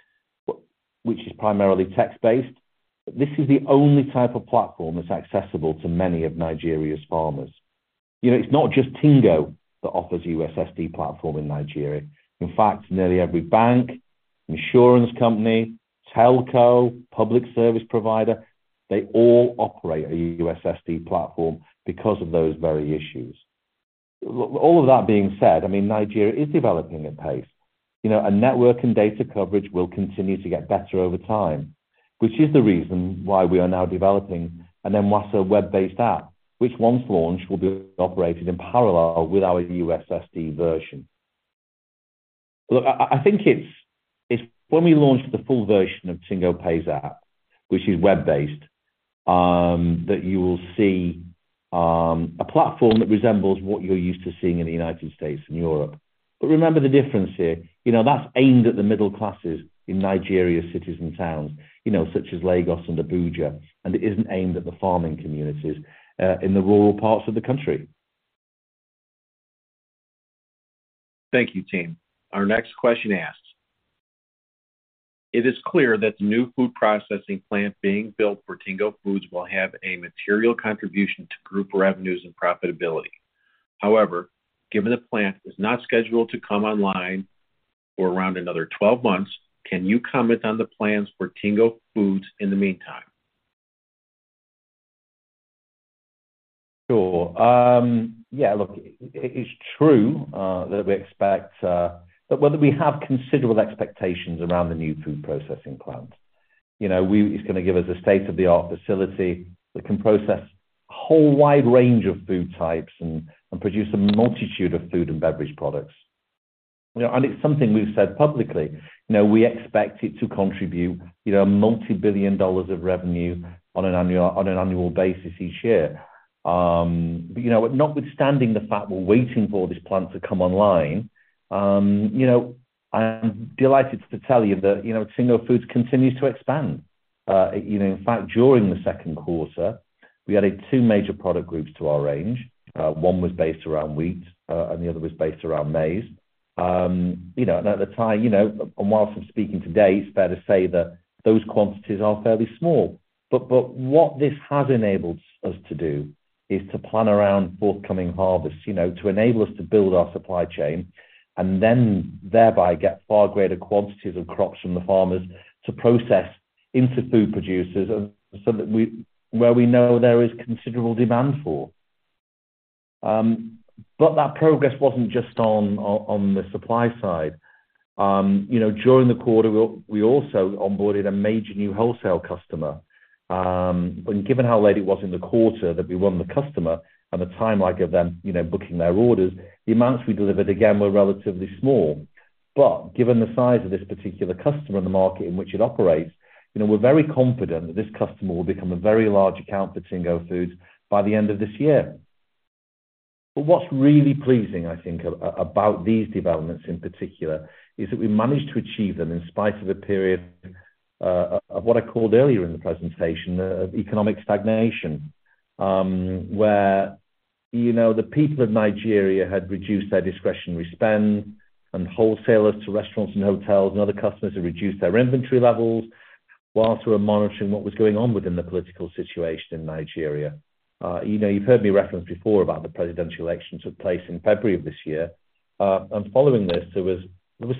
Speaker 2: but which is primarily text-based. But this is the only type of platform that's accessible to many of Nigeria's farmers. You know, it's not just Tingo that offers USSD platform in Nigeria. In fact, nearly every bank, insurance company, telco, public service provider, they all operate a USSD platform because of those very issues. All of that being said, I mean, Nigeria is developing at pace. You know, and network and data coverage will continue to get better over time, which is the reason why we are now developing an Nwassa web-based app, which once launched, will be operated in parallel with our USSD version. Look, I think it's when we launch the full version of TingoPay app, which is web-based, that you will see a platform that resembles what you're used to seeing in the United States and Europe. But remember the difference here, you know, that's aimed at the middle classes in Nigeria, cities, and towns, you know, such as Lagos and Abuja, and it isn't aimed at the farming communities in the rural parts of the country.
Speaker 5: Thank you, team. Our next question asks: It is clear that the new food processing plant being built for Tingo Foods will have a material contribution to group revenues and profitability. However, given the plant is not scheduled to come online for around another 12 months, can you comment on the plans for Tingo Foods in the meantime?
Speaker 2: Sure. Yeah, look, it is true that we expect that whether we have considerable expectations around the new food processing plant. You know, It's gonna give us a state-of-the-art facility that can process a whole wide range of food types and produce a multitude of food and beverage products. You know, and it's something we've said publicly, you know, we expect it to contribute multi-billion dollars of revenue on an annual basis each year. But, you know, notwithstanding the fact we're waiting for this plant to come online, you know, I'm delighted to tell you that, you know, Tingo Foods continues to expand. You know, in fact, during the second quarter, we added two major product groups to our range. One was based around wheat, and the other was based around maize. You know, and at the time, you know, and while I'm speaking today, it's fair to say that those quantities are fairly small. But what this has enabled us to do is to plan around forthcoming harvests, you know, to enable us to build our supply chain, and then thereby get far greater quantities of crops from the farmers to process into food producers, and so that we, where we know there is considerable demand for. But that progress wasn't just on the supply side. You know, during the quarter, we also onboarded a major new wholesale customer. And given how late it was in the quarter that we won the customer, and the time I give them, you know, booking their orders, the amounts we delivered again, were relatively small. But given the size of this particular customer and the market in which it operates, you know, we're very confident that this customer will become a very large account for Tingo Foods by the end of this year. But what's really pleasing, I think, about these developments in particular, is that we managed to achieve them in spite of a period of what I called earlier in the presentation, economic stagnation. Where, you know, the people of Nigeria had reduced their discretionary spend, and wholesalers to restaurants and hotels and other customers had reduced their inventory levels, while we were monitoring what was going on within the political situation in Nigeria. You know, you've heard me reference before about the presidential elections that took place in February of this year. And following this, there was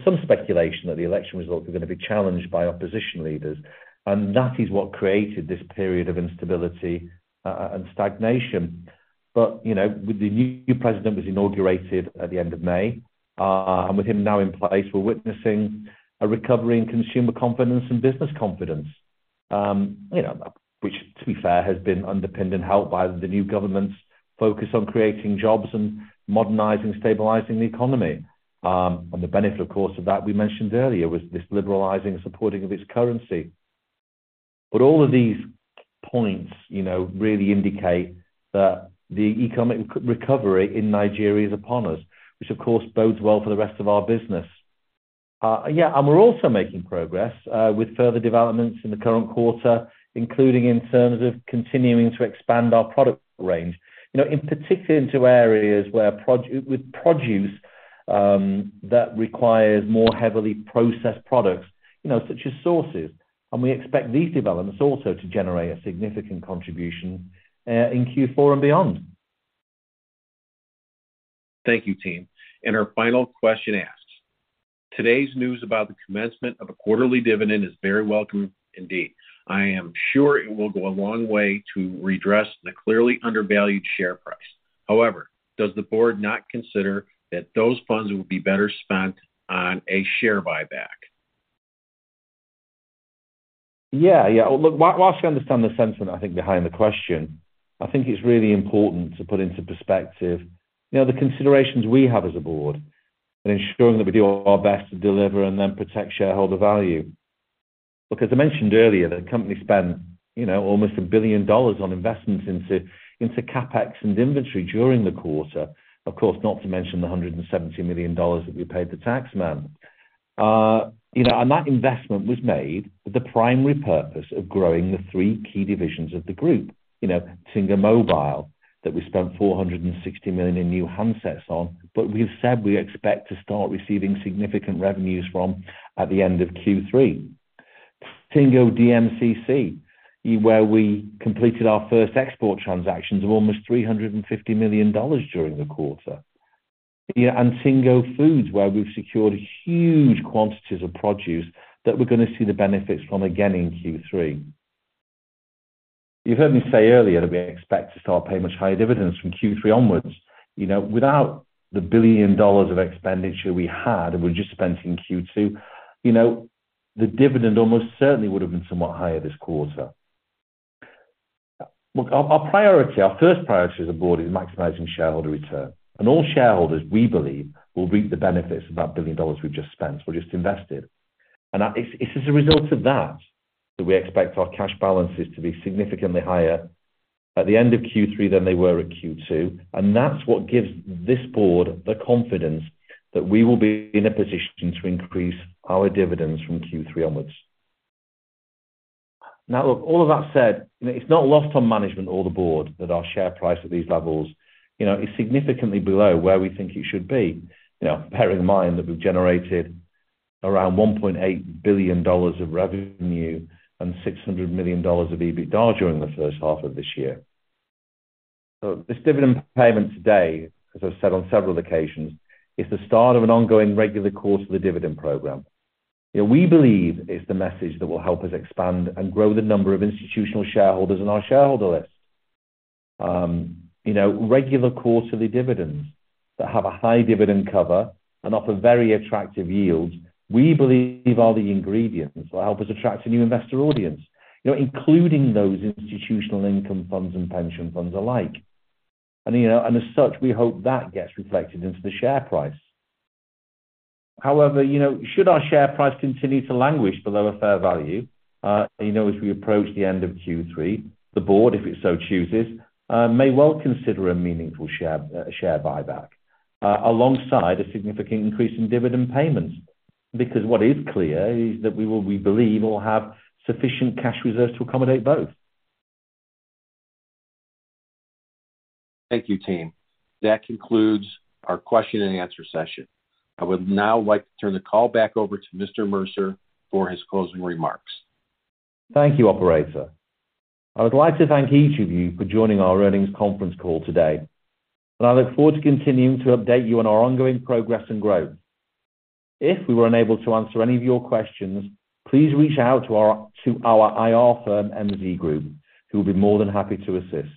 Speaker 2: some speculation that the election results were going to be challenged by opposition leaders, and that is what created this period of instability and stagnation. But, you know, with the new president was inaugurated at the end of May, and with him now in place, we're witnessing a recovery in consumer confidence and business confidence. You know, which, to be fair, has been underpinned and helped by the new government's focus on creating jobs and modernizing, stabilizing the economy. And the benefit, of course, of that we mentioned earlier, was this liberalizing and supporting of its currency. But all of these points, you know, really indicate that the economic recovery in Nigeria is upon us, which of course bodes well for the rest of our business. Yeah, and we're also making progress with further developments in the current quarter, including in terms of continuing to expand our product range, you know, in particular, into areas with produce that requires more heavily processed products, you know, such as sauces. And we expect these developments also to generate a significant contribution in Q4 and beyond.
Speaker 5: Thank you, team. And our final question asks: "Today's news about the commencement of a quarterly dividend is very welcome indeed. I am sure it will go a long way to redress the clearly undervalued share price. However, does the board not consider that those funds would be better spent on a share buyback?
Speaker 2: Yeah. Yeah. Look, whilst I understand the sentiment, I think behind the question, I think it's really important to put into perspective, you know, the considerations we have as a board in ensuring that we do our best to deliver and then protect shareholder value. Because I mentioned earlier, the company spent, you know, almost $1 billion on investments into CapEx and inventory during the quarter. Of course, not to mention the $170 million that we paid the tax man. You know, and that investment was made with the primary purpose of growing the three key divisions of the group. You know, Tingo Mobile, that we spent $460 million in new handsets on, but we've said we expect to start receiving significant revenues from at the end of Q3. Tingo DMCC, where we completed our first export transactions of almost $350 million during the quarter. Yeah, and Tingo Foods, where we've secured huge quantities of produce that we're gonna see the benefits from again in Q3. You heard me say earlier that we expect to start paying much higher dividends from Q3 onwards. You know, without the $1 billion of expenditure we had, and we just spent in Q2, you know, the dividend almost certainly would have been somewhat higher this quarter. Look, our priority, our first priority as a board, is maximizing shareholder return, and all shareholders, we believe, will reap the benefits of that $1 billion we've just spent, we've just invested. And that it's, it's as a result of that, that we expect our cash balances to be significantly higher at the end of Q3 than they were at Q2, and that's what gives this board the confidence that we will be in a position to increase our dividends from Q3 onwards. Now, look, all of that said, you know, it's not lost on management or the board that our share price at these levels, you know, is significantly below where we think it should be. You know, bearing in mind that we've generated around $1.8 billion of revenue and $600 million of EBITDA during the first half of this year. So this dividend payment today, as I've said on several occasions, is the start of an ongoing regular course of the dividend program. You know, we believe it's the message that will help us expand and grow the number of institutional shareholders on our shareholder list. You know, regular quarterly dividends that have a high dividend cover and offer very attractive yields, we believe are the ingredients that will help us attract a new investor audience, you know, including those institutional income funds and pension funds alike. You know, as such, we hope that gets reflected into the share price. However, you know, should our share price continue to languish below a fair value, you know, as we approach the end of Q3, the board, if it so chooses, may well consider a meaningful share buyback alongside a significant increase in dividend payments. Because what is clear is that we will, we believe, will have sufficient cash reserves to accommodate both.
Speaker 5: Thank you, team. That concludes our question and answer session. I would now like to turn the call back over to Mr. Mercer for his closing remarks.
Speaker 2: Thank you, operator. I would like to thank each of you for joining our earnings conference call today, and I look forward to continuing to update you on our ongoing progress and growth. If we were unable to answer any of your questions, please reach out to our IR firm, MZ Group, who will be more than happy to assist.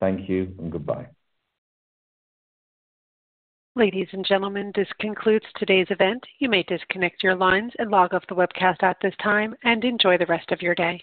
Speaker 2: Thank you and goodbye.
Speaker 1: Ladies and gentlemen, this concludes today's event. You may disconnect your lines and log off the webcast at this time, and enjoy the rest of your day.